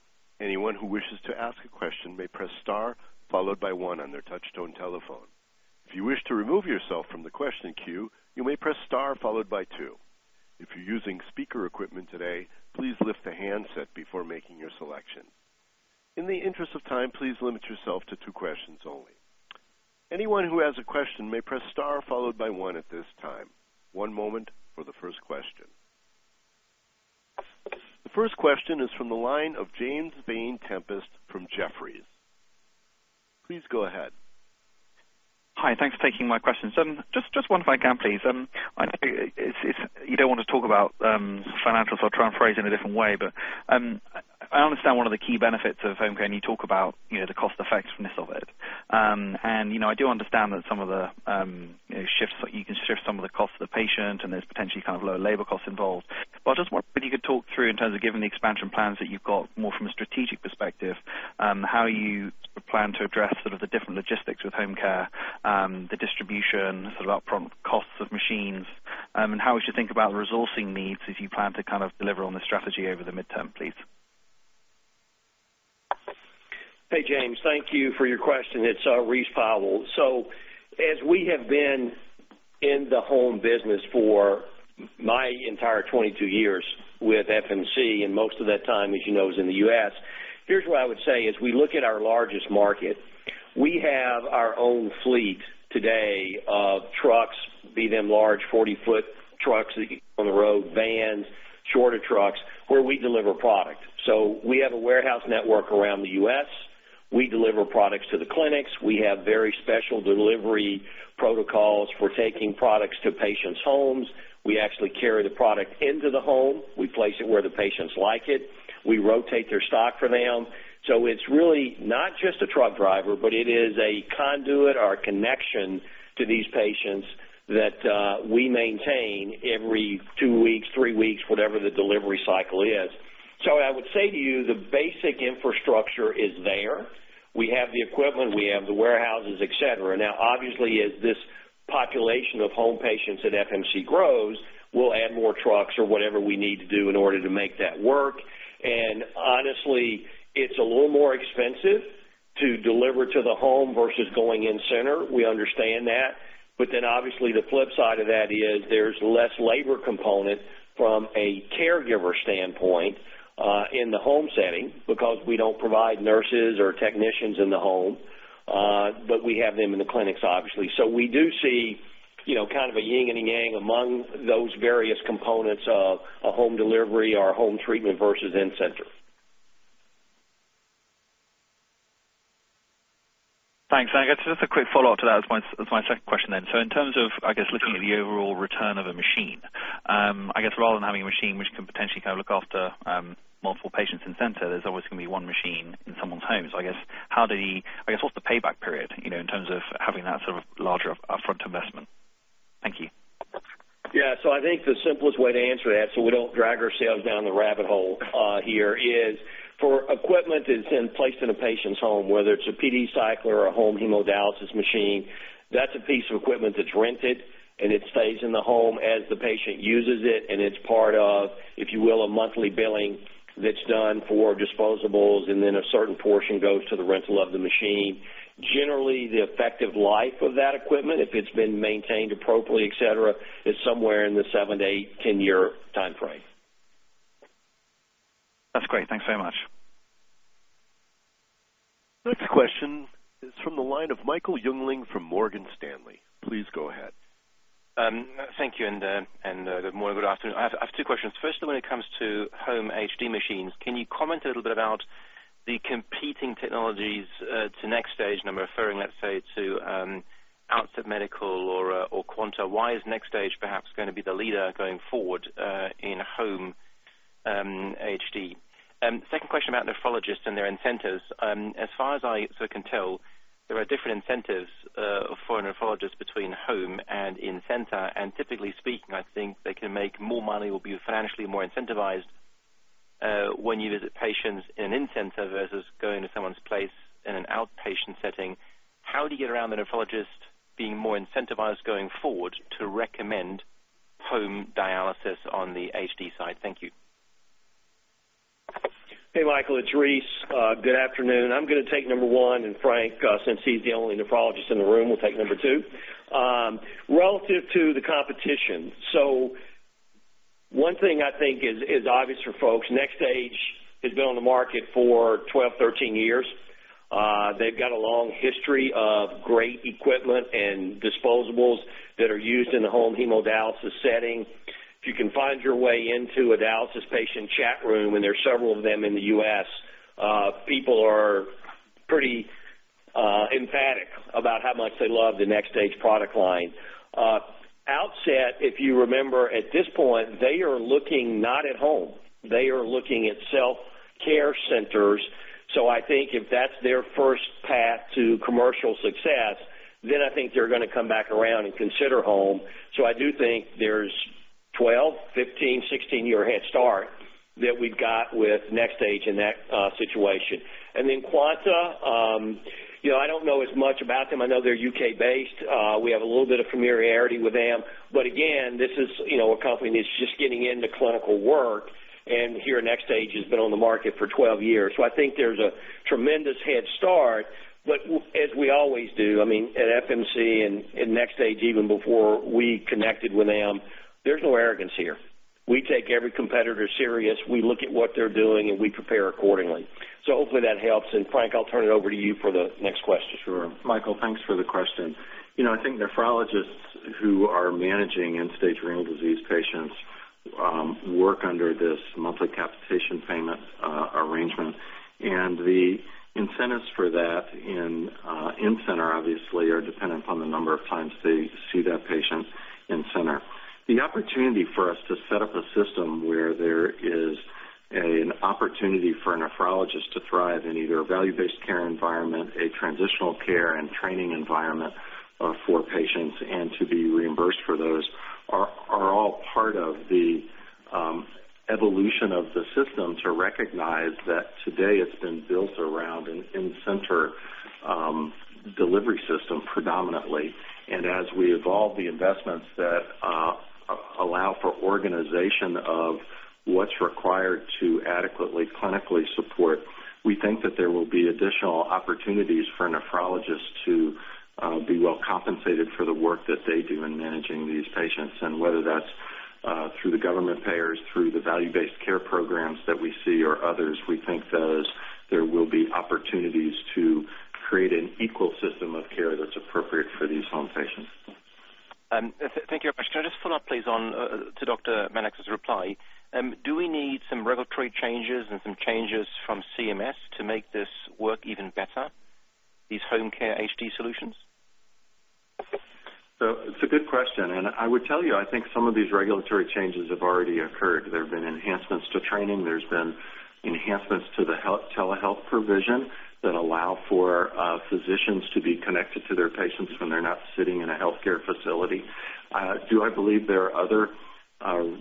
Anyone who wishes to ask a question may press star followed by one on their touch-tone telephone. If you wish to remove yourself from the question queue, you may press star followed by two. If you're using speaker equipment today, please lift the handset before making your selection. In the interest of time, please limit yourself to two questions only. Anyone who has a question may press star followed by one at this time. One moment for the first question. The first question is from the line of James Vane-Tempest from Jefferies. Please go ahead. Hi. Thanks for taking my questions. Just one if I can please. I know you don't want to talk about financials. I'll try and phrase it in a different way. I understand one of the key benefits of home care, and you talk about the cost-effectiveness of it. I do understand that you can shift some of the cost to the patient, and there's potentially lower labor costs involved. I just wonder if you could talk through in terms of giving the expansion plans that you've got more from a strategic perspective, how you plan to address sort of the different logistics with home care, the distribution, sort of upfront costs of machines, and how we should think about resourcing needs as you plan to kind of deliver on the strategy over the midterm, please. Hey, James. Thank you for your question. It's Rice Powell. As we have been in the home business for my entire 22 years with FMC, and most of that time, as you know, is in the U.S., here's what I would say. As we look at our largest market, we have our own fleet today of trucks, be them large 40-foot trucks that on the road, vans, shorter trucks, where we deliver product. We have a warehouse network around the U.S. We deliver products to the clinics. We have very special delivery protocols for taking products to patients' homes. We actually carry the product into the home. We place it where the patients like it. We rotate their stock for them. It's really not just a truck driver, but it is a conduit or a connection to these patients that we maintain every 2 weeks, 3 weeks, whatever the delivery cycle is. I would say to you, the basic infrastructure is there. We have the equipment, we have the warehouses, et cetera. Obviously, as this population of home patients at FMC grows, we'll add more trucks or whatever we need to do in order to make that work. Honestly, it's a little more expensive to deliver to the home versus going in-center. We understand that. Obviously, the flip side of that is there's less labor component from a caregiver standpoint in the home setting because we don't provide nurses or technicians in the home. We have them in the clinics, obviously. We do see kind of a yin and a yang among those various components of a home delivery or home treatment versus in-center. Thanks. I guess just a quick follow-up to that as my second question then. In terms of, I guess, looking at the overall return of a machine, I guess rather than having a machine which can potentially kind of look after multiple patients in center, there's always going to be one machine in someone's home. I guess, what's the payback period in terms of having that sort of larger upfront investment? Thank you. Yeah. I think the simplest way to answer that so we don't drag ourselves down the rabbit hole here is for equipment that's then placed in a patient's home, whether it's a PD cycler or a home hemodialysis machine, that's a piece of equipment that's rented, and it stays in the home as the patient uses it, and it's part of, if you will, a monthly billing that's done for disposables, and then a certain portion goes to the rental of the machine. Generally, the effective life of that equipment, if it's been maintained appropriately, et cetera, is somewhere in the seven to eight, 10-year timeframe. That's great. Thanks very much. Next question is from the line of Michael Jüngling from Morgan Stanley. Please go ahead. Thank you, and good morning, good afternoon. I have two questions. First, when it comes to home HD machines, can you comment a little bit about the competing technologies to NxStage, and I am referring, let's say, to Outset Medical or Quanta. Why is NxStage perhaps going to be the leader going forward in home HD? Second question about nephrologists and their incentives. As far as I can tell, there are different incentives for a nephrologist between home and in-center. Typically speaking, I think they can make more money or be financially more incentivized when you visit patients in an in-center versus going to someone's place in an outpatient setting. How do you get around the nephrologist being more incentivized going forward to recommend home dialysis on the HD side? Thank you. Hey, Michael, it's Rice. Good afternoon. I am going to take number one, and Frank, since he is the only nephrologist in the room, will take number two. Relative to the competition, one thing I think is obvious for folks, NxStage has been on the market for 12, 13 years. They have got a long history of great equipment and disposables that are used in the home hemodialysis setting. If you can find your way into a dialysis patient chat room, and there are several of them in the U.S., people are pretty emphatic about how much they love the NxStage product line. Outset, if you remember, at this point, they are looking not at home. They are looking at self-care centers. I think if that is their first path to commercial success, then I think they are going to come back around and consider home. I do think there is 12, 15, 16-year head start that we have got with NxStage in that situation. Quanta, I do not know as much about them. I know they are U.K.-based. We have a little bit of familiarity with them. But again, this is a company that is just getting into clinical work, and here NxStage has been on the market for 12 years. I think there is a tremendous head start, but as we always do, I mean, at FMC and NxStage, even before we connected with them, there is no arrogance here. We take every competitor serious. We look at what they are doing, and we prepare accordingly. Hopefully that helps. Frank, I will turn it over to you for the next question. Sure. Michael, thanks for the question. I think nephrologists who are managing end-stage renal disease patients work under this monthly capitation payment arrangement. The incentives for that in-center obviously are dependent upon the number of times they see that patient in-center. The opportunity for us to set up a system where there is an opportunity for a nephrologist to thrive in either a value-based care environment, a transitional care and training environment for patients, and to be reimbursed for those are all part of the evolution of the system to recognize that today it has been built around an in-center delivery system predominantly. As we evolve the investments that allow for organization of what is required to adequately clinically support, we think that there will be additional opportunities for nephrologists to be well compensated for the work that they do in managing these patients. Whether that's through the government payers, through the value-based care programs that we see or others, we think there will be opportunities to create an equal system of care that's appropriate for these home patients. Thank you very much. Can I just follow up, please, to Dr. Maddux's reply? Do we need some regulatory changes and some changes from CMS to make this work even better, these home care HD solutions? It's a good question, and I would tell you, I think some of these regulatory changes have already occurred. There have been enhancements to training. There's been enhancements to the telehealth provision that allow for physicians to be connected to their patients when they're not sitting in a healthcare facility. Do I believe there are other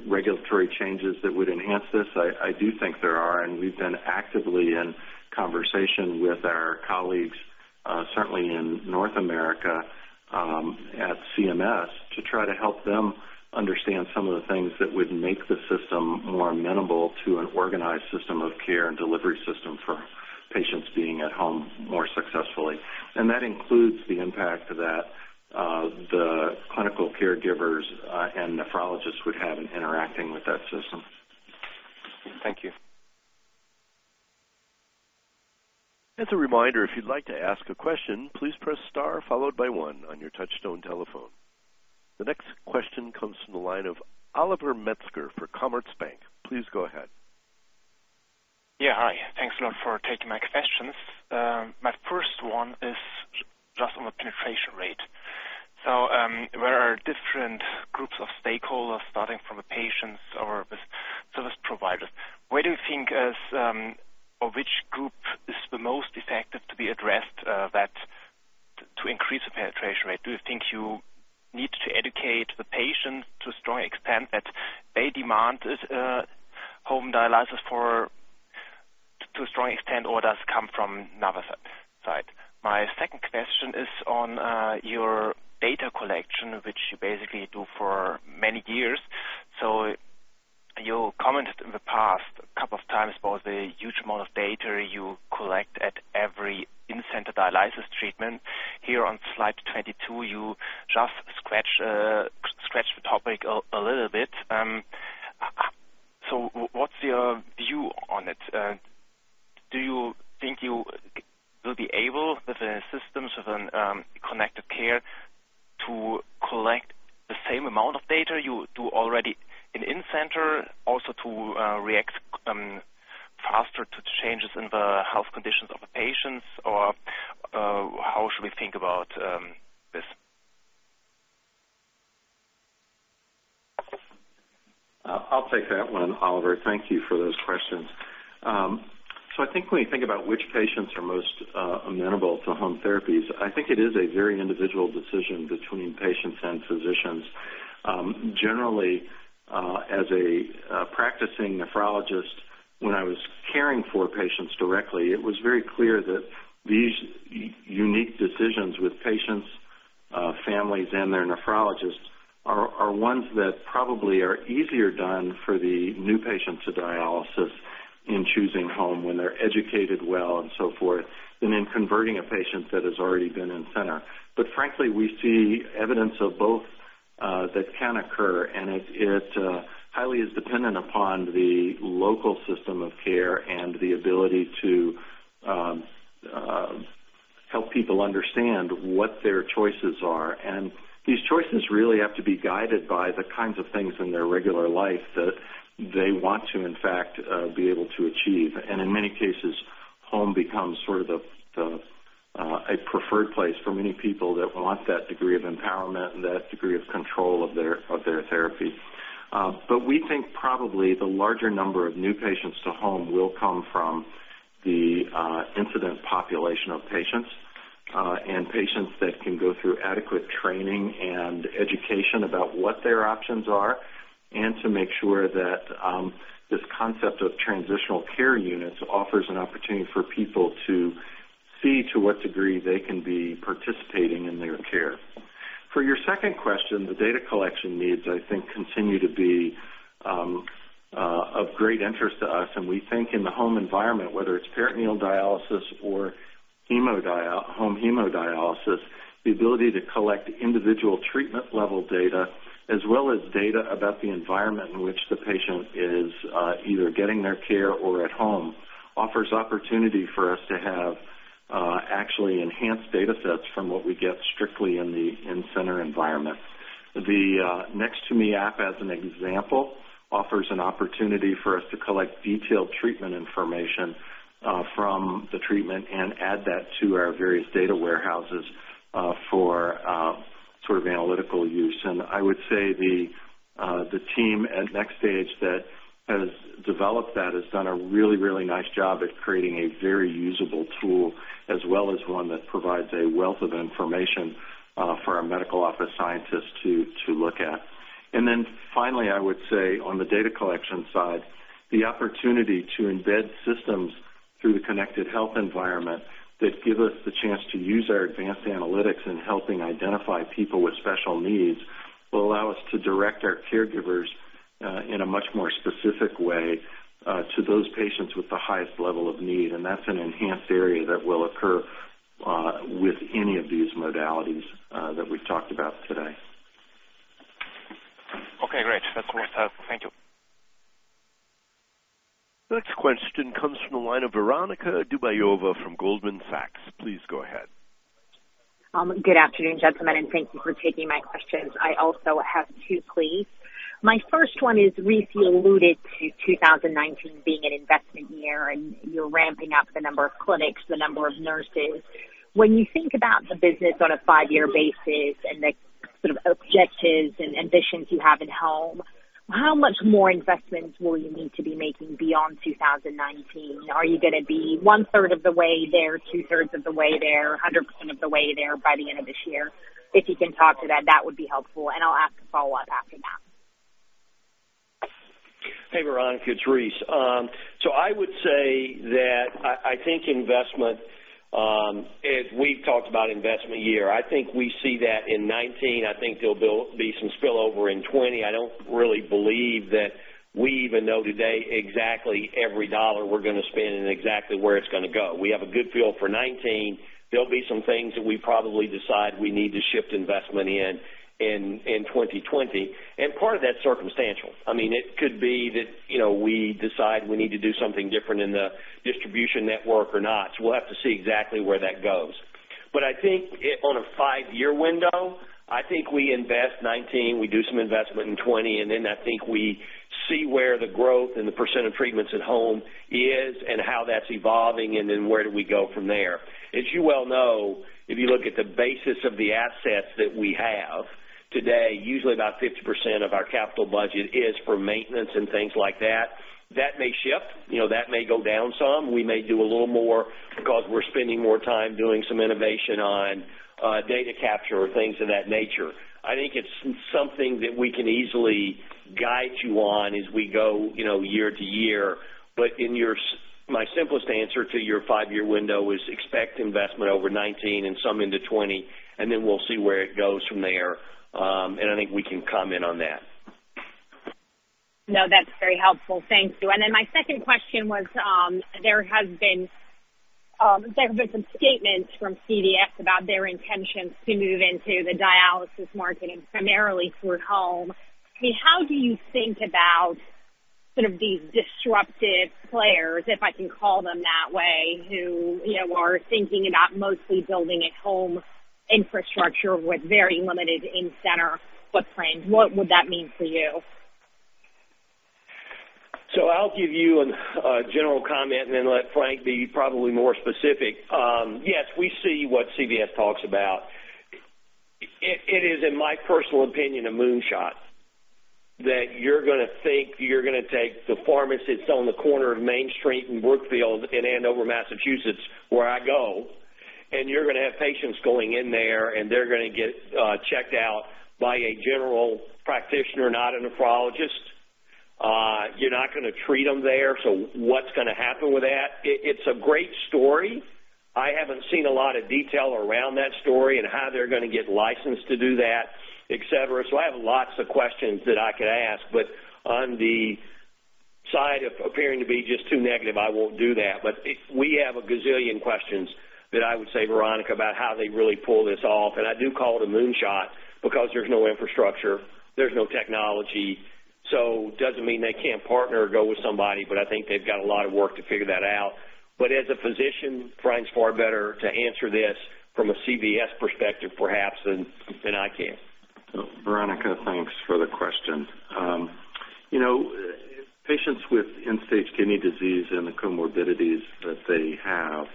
regulatory changes that would enhance this? I do think there are, and we've been actively in conversation with our colleagues, certainly in North America, at CMS to try to help them understand some of the things that would make the system more amenable to an organized system of care and delivery system for patients being at home more successfully. That includes the impact that the clinical caregivers and nephrologists would have in interacting with that system. Thank you. As a reminder, if you'd like to ask a question, please press star followed by one on your touchtone telephone. The next question comes from the line of Oliver Metzger for Commerzbank. Please go ahead. Yeah, hi. Thanks a lot for taking my questions. My first one is just on the penetration rate. There are different groups of stakeholders, starting from the patients or service providers. Where do you think or which group is the most effective to be addressed to increase the penetration rate? Do you think you need to educate the patient to a strong extent that they demand home dialysis to a strong extent, or does it come from another side? My second question is on your data collection, which you basically do for many years. You commented in the past a couple of times about the huge amount of data you collect at every in-center dialysis treatment. Here on slide 22, you just scratched the topic a little bit. What's your view on it? Do you think you will be able with the systems within connected care to collect the same amount of data you do already in in-center, also to react faster to changes in the health conditions of the patients? How should we think about this? I'll take that one, Oliver. Thank you for those questions. I think when you think about which patients are most amenable to home therapies, I think it is a very individual decision between patients and physicians. Generally, as a practicing nephrologist, when I was caring for patients directly, it was very clear that these unique decisions with patients, families, and their nephrologists are ones that probably are easier done for the new patients to dialysis in choosing home when they're educated well and so forth, than in converting a patient that has already been in-center. Frankly, we see evidence of both that can occur, and it highly is dependent upon the local system of care and the ability to help people understand what their choices are. These choices really have to be guided by the kinds of things in their regular life that they want to, in fact, be able to achieve. In many cases, home becomes sort of a preferred place for many people that want that degree of empowerment and that degree of control of their therapy. We think probably the larger number of new patients to home will come from the incident population of patients and patients that can go through adequate training and education about what their options are and to make sure that this concept of transitional care units offers an opportunity for people to see to what degree they can be participating in their care. For your second question, the data collection needs, I think, continue to be of great interest to us. We think in the home environment, whether it's peritoneal dialysis or home hemodialysis, the ability to collect individual treatment-level data as well as data about the environment in which the patient is either getting their care or at home offers opportunity for us to have actually enhanced data sets from what we get strictly in the in-center environment. The Nx2me app, as an example, offers an opportunity for us to collect detailed treatment information from the treatment and add that to our various data warehouses for analytical use. I would say the team at NxStage that has developed that has done a really, really nice job at creating a very usable tool, as well as one that provides a wealth of information for our medical office scientists to look at. Then finally, I would say on the data collection side, the opportunity to embed systems through the connected health environment that give us the chance to use our advanced analytics in helping identify people with special needs will allow us to direct our caregivers in a much more specific way to those patients with the highest level of need. That's an enhanced area that will occur with any of these modalities that we've talked about today. Okay, great. That's all. Thank you. Next question comes from the line of Veronika Dubajova from Goldman Sachs. Please go ahead. Good afternoon, gentlemen, thank you for taking my questions. I also have two, please. My first one is, Rice, you alluded to 2019 being an investment year, and you're ramping up the number of clinics, the number of nurses. When you think about the business on a five-year basis and the sort of objectives and ambitions you have at home, how much more investments will you need to be making beyond 2019? Are you going to be one-third of the way there, two-thirds of the way there, 100% of the way there by the end of this year? If you can talk to that would be helpful. I'll ask a follow-up after that. Hey, Veronika, it's Rice. I would say that I think investment, as we've talked about investment year, I think we see that in 2019. I think there'll be some spillover in 2020. I don't really believe that we even know today exactly every euro we're going to spend and exactly where it's going to go. We have a good feel for 2019. There'll be some things that we probably decide we need to shift investment in 2020. Part of that's circumstantial. It could be that we decide we need to do something different in the distribution network or not. We'll have to see exactly where that goes. I think on a five-year window, I think we invest 2019, we do some investment in 2020, then I think we see where the growth and the % of treatments at home is and how that's evolving, then where do we go from there. As you well know, if you look at the basis of the assets that we have today, usually about 50% of our capital budget is for maintenance and things like that. That may shift, that may go down some. We may do a little more because we're spending more time doing some innovation on data capture or things of that nature. I think it's something that we can easily guide you on as we go year to year. My simplest answer to your five-year window is expect investment over 2019 and some into 2020, and then we'll see where it goes from there, and I think we can comment on that. That's very helpful. Thank you. My second question was, there have been some statements from CVS about their intentions to move into the dialysis market and primarily toward home. How do you think about sort of these disruptive players, if I can call them that way, who are thinking about mostly building a home infrastructure with very limited in-center footprint? What would that mean for you? I'll give you a general comment and then let Frank be probably more specific. Yes, we see what CVS talks about. It is, in my personal opinion, a moonshot that you're going to think you're going to take the pharmacy that's on the corner of Main Street in Brookfield in Andover, Massachusetts, where I go, and you're going to have patients going in there, and they're going to get checked out by a general practitioner, not a nephrologist. You're not going to treat them there, what's going to happen with that? It's a great story. I haven't seen a lot of detail around that story and how they're going to get licensed to do that, et cetera. I have lots of questions that I could ask, but on the side of appearing to be just too negative, I won't do that. We have a gazillion questions that I would say, Veronika, about how they really pull this off, and I do call it a moonshot because there's no infrastructure, there's no technology. Doesn't mean they can't partner or go with somebody, but I think they've got a lot of work to figure that out. As a physician, Frank's far better to answer this from a CVS perspective, perhaps, than I can. Veronika, thanks for the question. Patients with end-stage kidney disease and the comorbidities that they have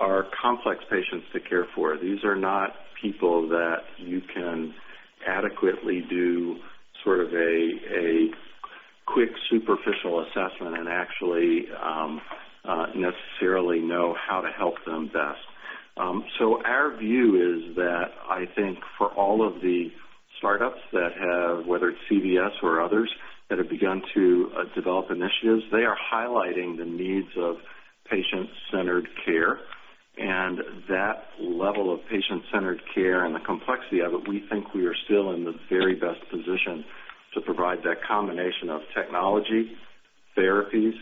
are complex patients to care for. These are not people that you can adequately do sort of a quick superficial assessment and actually necessarily know how to help them best. Our view is that I think for all of the startups that have, whether it's CVS Health or others, that have begun to develop initiatives, they are highlighting the needs of patient-centered care. That level of patient-centered care and the complexity of it, we think we are still in the very best position to provide that combination of technology, therapies,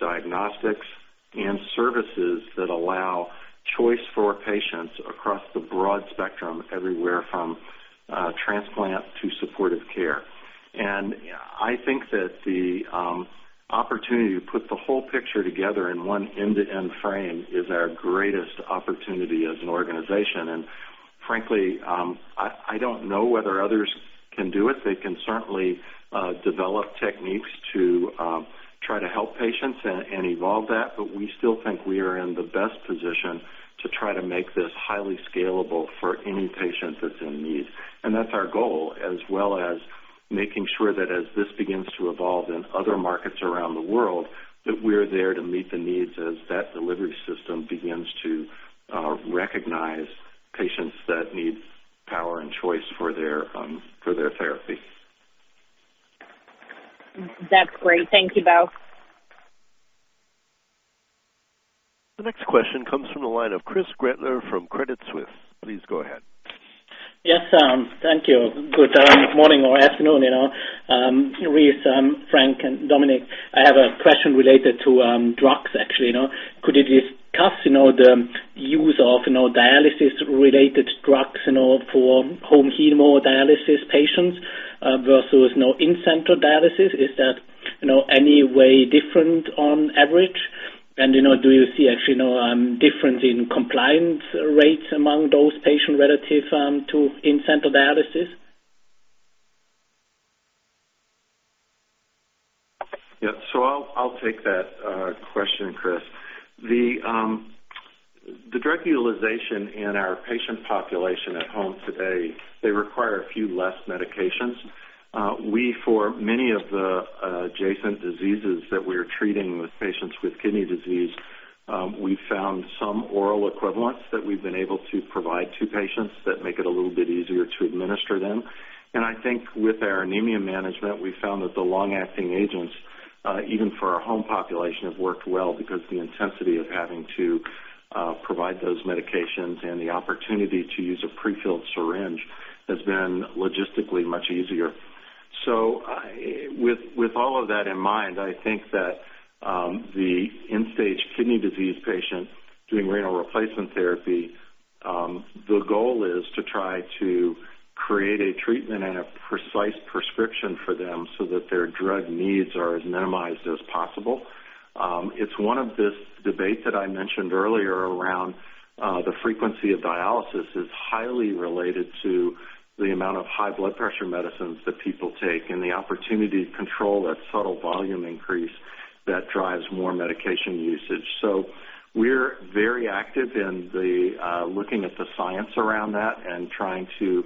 diagnostics, and services that allow choice for patients across the broad spectrum, everywhere from transplant to supportive care. I think that the opportunity to put the whole picture together in one end-to-end frame is our greatest opportunity as an organization. Frankly, I don't know whether others can do it. They can certainly develop techniques to try to help patients and evolve that, but we still think we are in the best position to try to make this highly scalable for any patient that's in need. That's our goal, as well as making sure that as this begins to evolve in other markets around the world, that we're there to meet the needs as that delivery system begins to recognize patients that need power and choice for their therapy. That's great. Thank you, Bo. The next question comes from the line of Christoph Gretler from Credit Suisse. Please go ahead. Yes, thank you. Good morning or afternoon. Rice, Frank, and Dominik, I have a question related to drugs, actually. Could you discuss the use of dialysis-related drugs for home hemodialysis patients versus in-center dialysis? Is that any way different on average? Do you see actually difference in compliance rates among those patients relative to in-center dialysis? Yeah. I'll take that question, Christoph. The drug utilization in our patient population at home today, they require a few less medications. We, for many of the adjacent diseases that we are treating with patients with kidney disease, we found some oral equivalents that we've been able to provide to patients that make it a little bit easier to administer them. I think with our anemia management, we found that the long-acting agents, even for our home population, have worked well because the intensity of having to provide those medications and the opportunity to use a prefilled syringe has been logistically much easier. With all of that in mind, I think that the end-stage kidney disease patients doing renal replacement therapy, the goal is to try to create a treatment and a precise prescription for them so that their drug needs are as minimized as possible. It's one of this debate that I mentioned earlier around the frequency of dialysis is highly related to the amount of high blood pressure medicines that people take and the opportunity to control that subtle volume increase that drives more medication usage. We're very active in looking at the science around that and trying to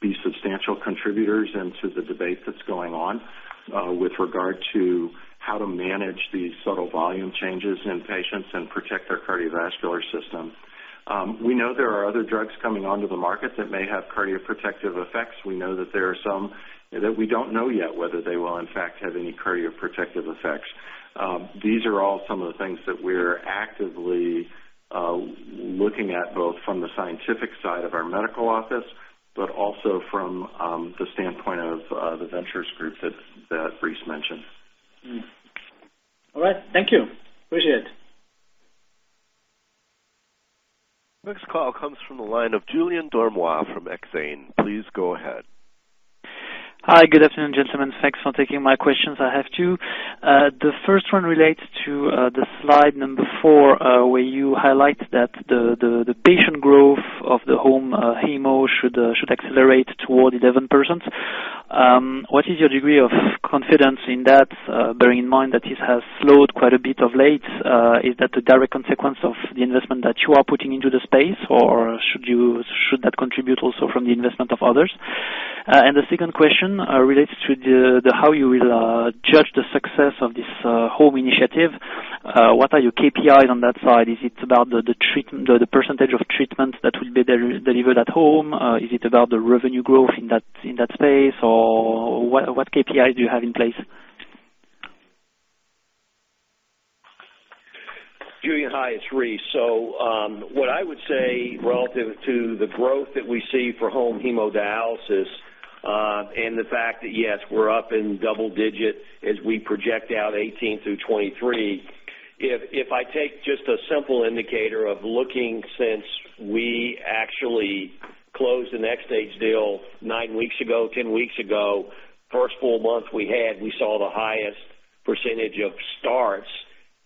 be substantial contributors into the debate that's going on with regard to how to manage these subtle volume changes in patients and protect their cardiovascular system. We know there are other drugs coming onto the market that may have cardioprotective effects. We know that there are some that we don't know yet whether they will in fact have any cardioprotective effects. These are all some of the things that we're actively looking at, both from the scientific side of our medical office, but also from the standpoint of the ventures group that Rice mentioned. All right. Thank you. Appreciate it. Next call comes from the line of Julien Dormois from Exane. Please go ahead. Hi, good afternoon, gentlemen. Thanks for taking my questions. I have two. The first one relates to the slide number four, where you highlight that the patient growth of the home hemo should accelerate toward 11%. What is your degree of confidence in that, bearing in mind that it has slowed quite a bit of late? Is that a direct consequence of the investment that you are putting into the space, or should that contribute also from the investment of others? The second question relates to how you will judge the success of this home initiative. What are your KPIs on that side? Is it about the percentage of treatments that will be delivered at home? Is it about the revenue growth in that space, or what KPI do you have in place? Julien, hi, it's Rice. What I would say relative to the growth that we see for home hemodialysis, and the fact that, yes, we're up in double digit as we project out 2018 through 2023, if I take just a simple indicator of looking since we actually closed the NxStage deal nine weeks ago, 10 weeks ago, first full month we had, we saw the highest percentage of starts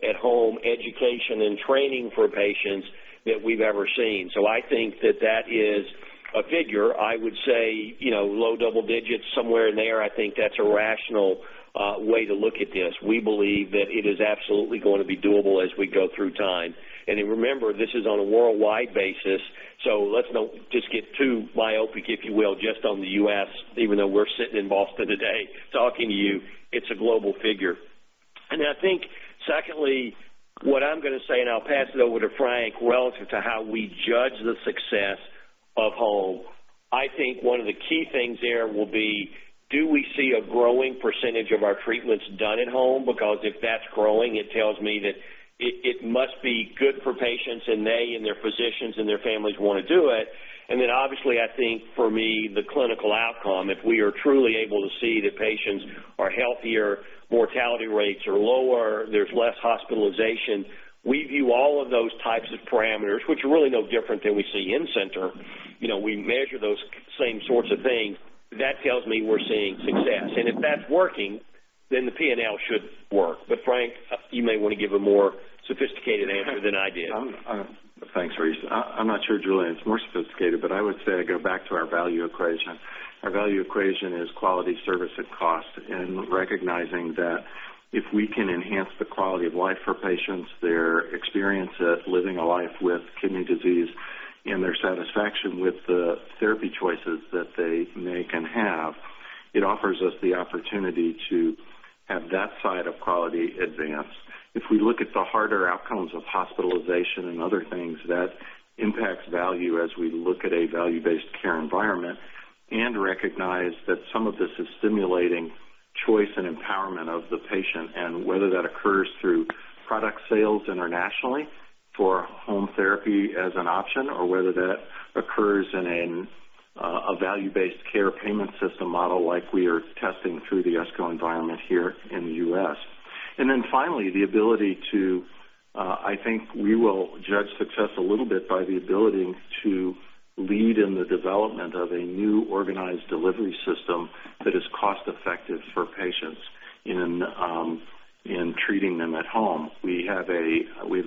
at home education and training for patients that we've ever seen. I think that that is a figure, I would say, low double digits, somewhere in there. I think that's a rational way to look at this. We believe that it is absolutely going to be doable as we go through time. Remember, this is on a worldwide basis, let's not just get too myopic, if you will, just on the U.S., even though we're sitting in Boston today talking to you, it's a global figure. I think secondly, what I'm going to say, and I'll pass it over to Frank, relative to how we judge the success of home. I think one of the key things there will be, do we see a growing percentage of our treatments done at home? Because if that's growing, it tells me that it must be good for patients and they and their physicians and their families want to do it. Then obviously, I think for me, the clinical outcome, if we are truly able to see that patients are healthier, mortality rates are lower, there's less hospitalization. We view all of those types of parameters, which are really no different than we see in center. We measure those same sorts of things. That tells me we're seeing success. If that's working, then the P&L should work. Frank, you may want to give a more sophisticated answer than I did. Thanks, Rice. I'm not sure, Julien, it's more sophisticated, but I would say I go back to our value equation. Our value equation is quality, service, and cost, and recognizing that if we can enhance the quality of life for patients, their experience at living a life with kidney disease, and their satisfaction with the therapy choices that they make and have, it offers us the opportunity to have that side of quality advance. If we look at the harder outcomes of hospitalization and other things, that impacts value as we look at a value-based care environment and recognize that some of this is stimulating choice and empowerment of the patient and whether that occurs through product sales internationally for home therapy as an option or whether that occurs in a value-based care payment system model like we are testing through the ESCO environment here in the U.S. Finally, I think we will judge success a little bit by the ability to lead in the development of a new organized delivery system that is cost-effective for patients in treating them at home. We've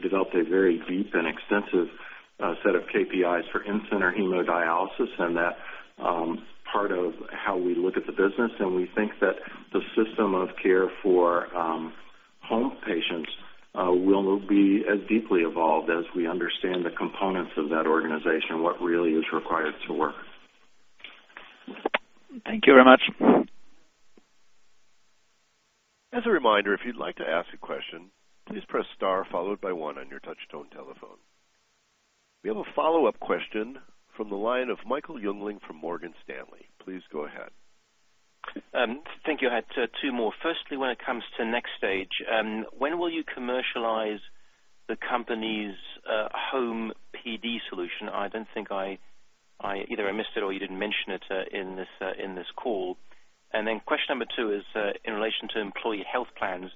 developed a very deep and extensive set of KPIs for in-center hemodialysis, and that part of how we look at the business, and we think that the system of care for home patients will be as deeply evolved as we understand the components of that organization, what really is required to work. Thank you very much. As a reminder, if you'd like to ask a question, please press star followed by one on your touch tone telephone. We have a follow-up question from the line of Michael Jüngling from Morgan Stanley. Please go ahead. Thank you. I had two more. Firstly, when it comes to NxStage, when will you commercialize the company's home PD solution? I either missed it or you didn't mention it in this call. Question number 2 is in relation to employee health plans.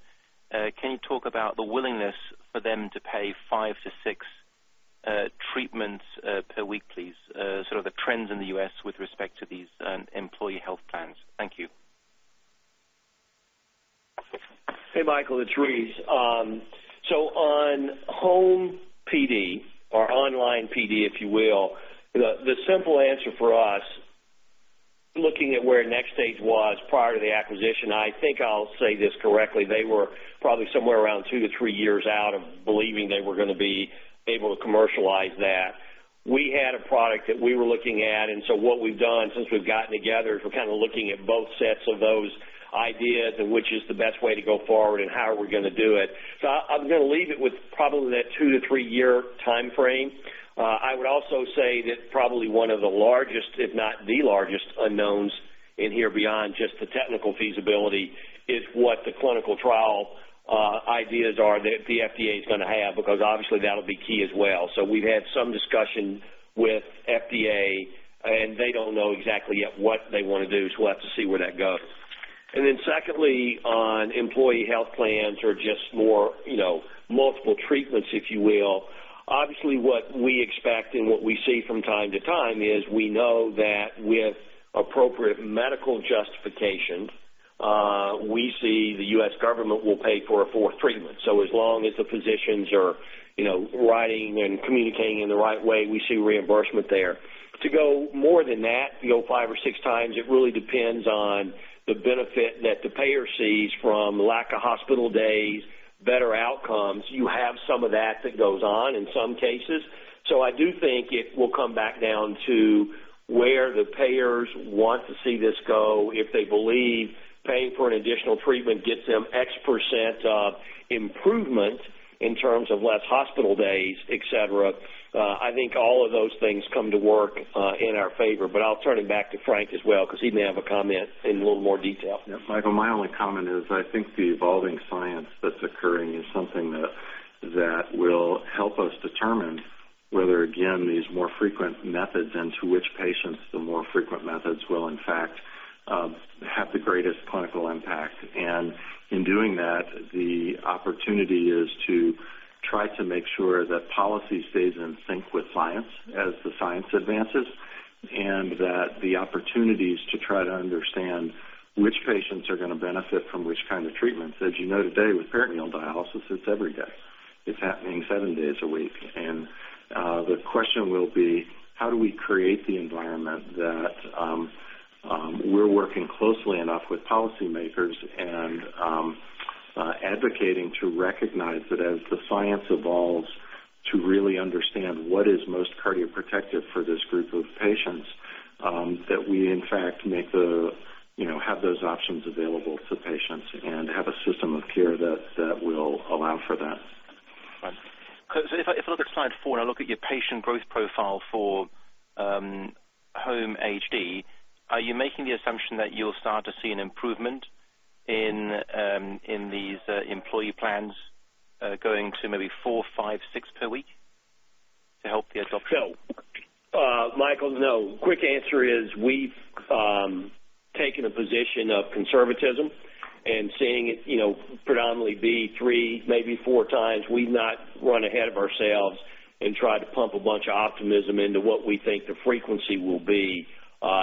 Can you talk about the willingness for them to pay 5 to 6 treatments per week, please? Sort of the trends in the U.S. with respect to these employee health plans. Thank you. Hey, Michael, it's Reese. On home PD or online PD, if you will, the simple answer for us, looking at where NxStage was prior to the acquisition, I think I'll say this correctly, they were probably somewhere around 2 to 3 years out of believing they were going to be able to commercialize that. We had a product that we were looking at, what we've done since we've gotten together is we're kind of looking at both sets of those ideas and which is the best way to go forward and how are we going to do it. I'm going to leave it with probably that 2 to 3 year time frame. I would also say that probably one of the largest, if not the largest unknowns in here beyond just the technical feasibility is what the clinical trial ideas are that the FDA is going to have, because obviously that'll be key as well. We've had some discussion with FDA, and they don't know exactly yet what they want to do, we'll have to see where that goes. Secondly, on employee health plans or just more multiple treatments, if you will. Obviously, what we expect and what we see from time to time is we know that with appropriate medical justification, we see the U.S. government will pay for a fourth treatment. As long as the physicians are writing and communicating in the right way, we see reimbursement there. To go more than that, to go five or six times, it really depends on the benefit that the payer sees from lack of hospital days, better outcomes. You have some of that that goes on in some cases. I do think it will come back down to where the payers want to see this go. If they believe paying for an additional treatment gets them X% improvement in terms of less hospital days, et cetera. I think all of those things come to work in our favor, but I'll turn it back to Frank as well, because he may have a comment in a little more detail. Yeah, Michael, my only comment is I think the evolving science that's occurring is something that will help us determine whether, again, these more frequent methods and to which patients the more frequent methods will in fact have the greatest clinical impact. In doing that, the opportunity is to try to make sure that policy stays in sync with science as the science advances, that the opportunities to try to understand which patients are going to benefit from which kind of treatments. As you know today with peritoneal dialysis, it's every day. It's happening seven days a week. The question will be, how do we create the environment that we're working closely enough with policymakers and advocating to recognize that as the science evolves to really understand what is most cardioprotective for this group of patients, that we in fact have those options available to patients and have a system of care that will allow for that. Right. Because if I look at slide four and I look at your patient growth profile for home HD, are you making the assumption that you'll start to see an improvement in these employee plans going to maybe four, five, six per week to help the adoption? Michael, no. Quick answer is we've taken a position of conservatism and seeing it predominantly be three, maybe four times. We've not run ahead of ourselves and tried to pump a bunch of optimism into what we think the frequency will be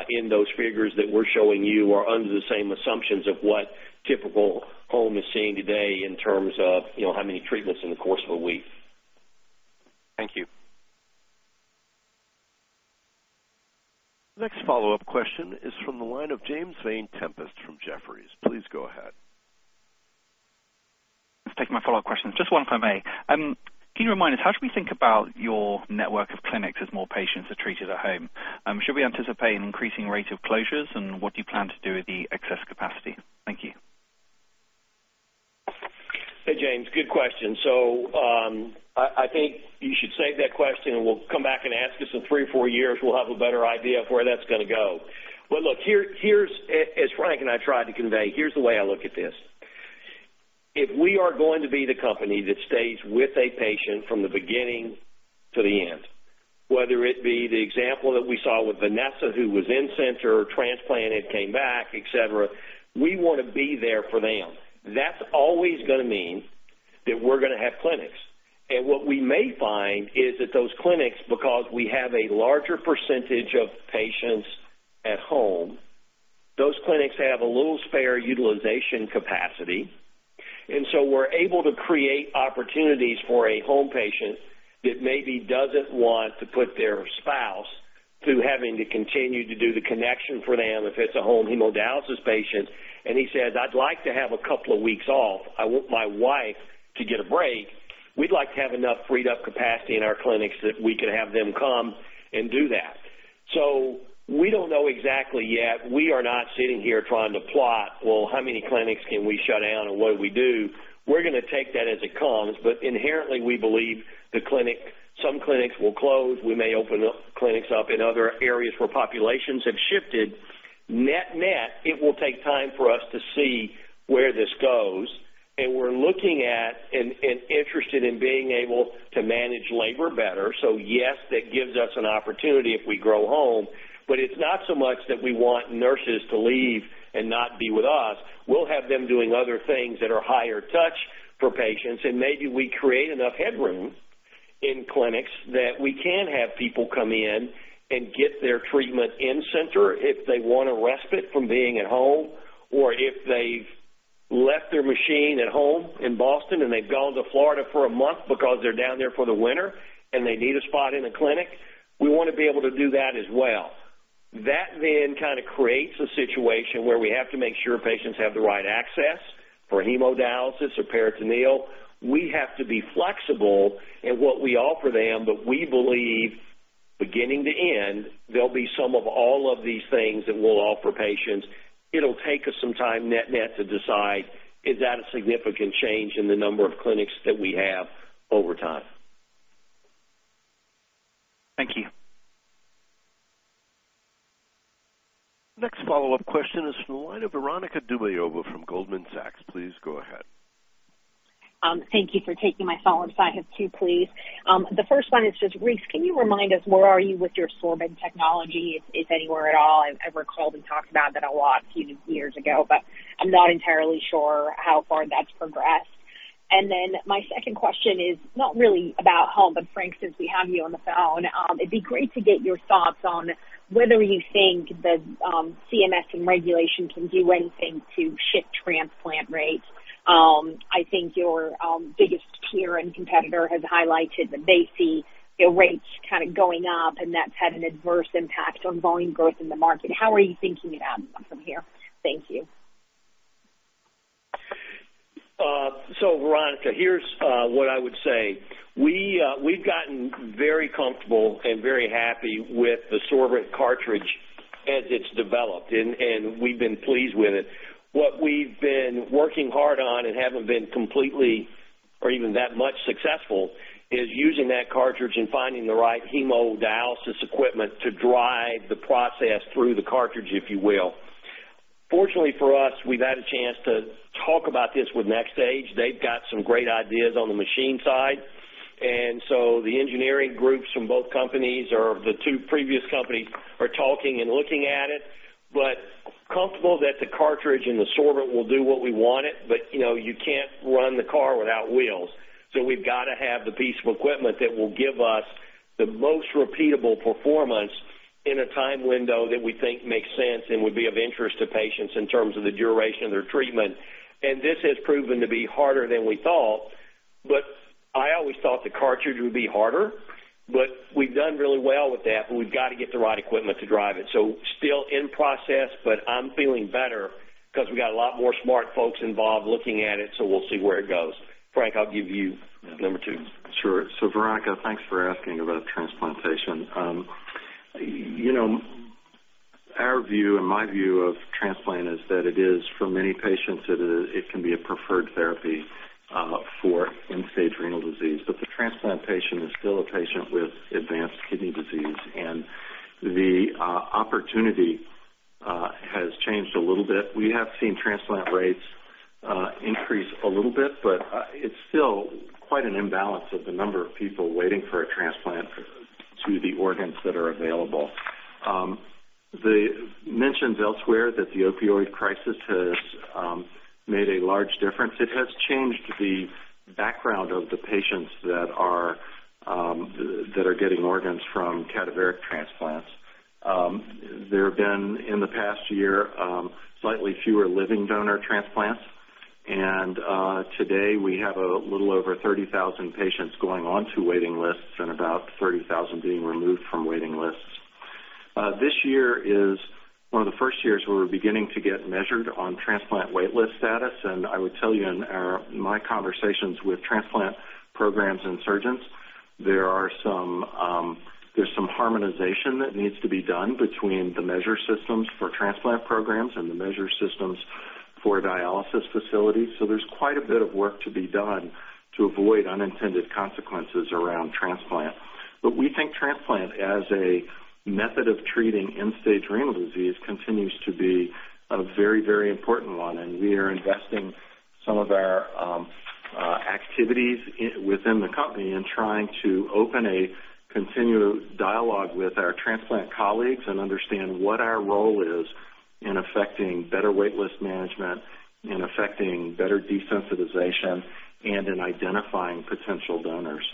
in those figures that we're showing you are under the same assumptions of what typical home is seeing today in terms of how many treatments in the course of a week. Thank you. Next follow-up question is from the line of James Vane-Tempest from Jefferies. Please go ahead. Thanks for taking my follow-up questions. Just one, if I may. Can you remind us, how should we think about your network of clinics as more patients are treated at home? Should we anticipate an increasing rate of closures, and what do you plan to do with the excess capacity? Thank you. Hey, James, good question. I think you should save that question, and we'll come back and ask us in three or four years. We'll have a better idea of where that's going to go. Look, as Frank and I tried to convey, here's the way I look at this. If we are going to be the company that stays with a patient from the beginning to the end, whether it be the example that we saw with Vanessa, who was in-center, transplanted, came back, et cetera, we want to be there for them. That's always going to mean that we're going to have clinics. What we may find is that those clinics, because we have a larger percentage of patients at home, those clinics have a little spare utilization capacity, we're able to create opportunities for a home patient that maybe doesn't want to put their spouse through having to continue to do the connection for them if it's a home hemodialysis patient and he says, "I'd like to have a couple of weeks off. I want my wife to get a break." We'd like to have enough freed up capacity in our clinics that we can have them come and do that. We don't know exactly yet. We are not sitting here trying to plot, well, how many clinics can we shut down and what do we do? We're going to take that as it comes. Inherently, we believe some clinics will close. We may open clinics up in other areas where populations have shifted. Net-net, it will take time for us to see where this goes, and we're looking at and interested in being able to manage labor better. Yes, that gives us an opportunity if we grow home, it's not so much that we want nurses to leave and not be with us. We'll have them doing other things that are higher touch for patients, and maybe we create enough headroom in clinics that we can have people come in and get their treatment in center if they want a respite from being at home, or if they've left their machine at home in Boston and they've gone to Florida for a month because they're down there for the winter and they need a spot in a clinic, we want to be able to do that as well. Kind of creates a situation where we have to make sure patients have the right access for hemodialysis or peritoneal. We have to be flexible in what we offer them, we believe beginning to end, there'll be some of all of these things that we'll offer patients. It'll take us some time net-net to decide, is that a significant change in the number of clinics that we have over time. Thank you. Next follow-up question is from the line of Veronika Dubajova from Goldman Sachs. Please go ahead. Thank you for taking my follow-up. I have two, please. The first one is just, Rice, can you remind us where are you with your sorbent technology, if anywhere at all? I recall you talked about that a lot a few years ago, but I'm not entirely sure how far that's progressed. My second question is not really about home, but Frank, since we have you on the phone, it'd be great to get your thoughts on whether you think the CMS and regulation can do anything to shift transplant rates. I think your biggest peer and competitor has highlighted that they see rates kind of going up and that's had an adverse impact on volume growth in the market. How are you thinking about it from here? Thank you. Veronika, here's what I would say. We've gotten very comfortable and very happy with the sorbent cartridge as it's developed, and we've been pleased with it. What we've been working hard on and haven't been completely or even that much successful is using that cartridge and finding the right hemodialysis equipment to drive the process through the cartridge, if you will. Fortunately for us, we've had a chance to talk about this with NxStage. They've got some great ideas on the machine side, and so the engineering groups from both companies or the two previous companies are talking and looking at it, but comfortable that the cartridge and the sorbent will do what we want it, but you can't run the car without wheels. We've got to have the piece of equipment that will give us the most repeatable performance in a time window that we think makes sense and would be of interest to patients in terms of the duration of their treatment. This has proven to be harder than we thought, I always thought the cartridge would be harder, we've done really well with that, we've got to get the right equipment to drive it. Still in process, I'm feeling better because we got a lot more smart folks involved looking at it, we'll see where it goes. Frank, I'll give you number two. Sure. Veronika, thanks for asking about transplantation. Our view and my view of transplant is that it is for many patients, it can be a preferred therapy for end-stage renal disease. The transplant patient is still a patient with advanced kidney disease, and the opportunity has changed a little bit. We have seen transplant rates increase a little bit, it's still quite an imbalance of the number of people waiting for a transplant to the organs that are available. They mentioned elsewhere that the opioid crisis has made a large difference. It has changed the background of the patients that are getting organs from cadaveric transplants. There have been, in the past year, slightly fewer living donor transplants. Today we have a little over 30,000 patients going onto waiting lists and about 30,000 being removed from waiting lists. This year is one of the first years where we're beginning to get measured on transplant wait list status. I would tell you in my conversations with transplant programs and surgeons, there's some harmonization that needs to be done between the measure systems for transplant programs and the measure systems for dialysis facilities. There's quite a bit of work to be done to avoid unintended consequences around transplant. We think transplant as a method of treating end-stage renal disease continues to be a very, very important one, and we are investing some of our activities within the company in trying to open a continued dialogue with our transplant colleagues and understand what our role is in affecting better wait list management, in affecting better desensitization, and in identifying potential donors.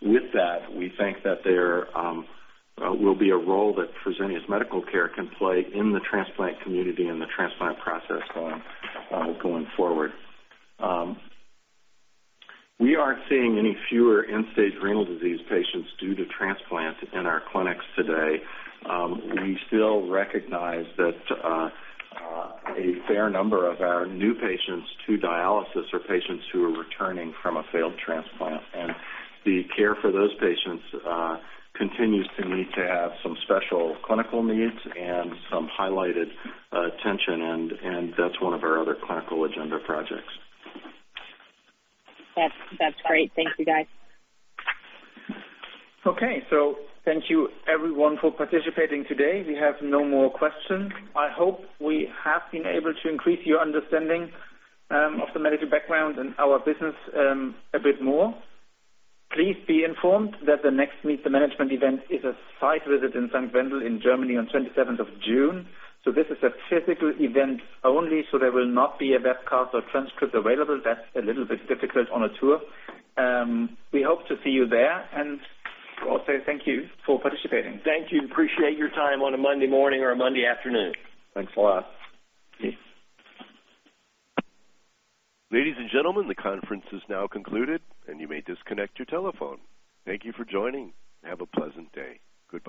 With that, we think that there will be a role that Fresenius Medical Care can play in the transplant community and the transplant process going forward. We aren't seeing any fewer end-stage renal disease patients due to transplant in our clinics today. We still recognize that a fair number of our new patients to dialysis are patients who are returning from a failed transplant. The care for those patients continues to need to have some special clinical needs and some highlighted attention, and that's one of our other clinical agenda projects. That's great. Thank you, guys. Thank you everyone for participating today. We have no more questions. I hope we have been able to increase your understanding of the medical background and our business a bit more. Please be informed that the next Meet the Management event is a site visit in St. Wendel in Germany on 27th of June. This is a physical event only, there will not be a webcast or transcript available. That's a little bit difficult on a tour. We hope to see you there, also thank you for participating. Thank you. Appreciate your time on a Monday morning or a Monday afternoon. Thanks a lot. Peace. Ladies and gentlemen, the conference is now concluded, you may disconnect your telephone. Thank you for joining. Have a pleasant day. Goodbye.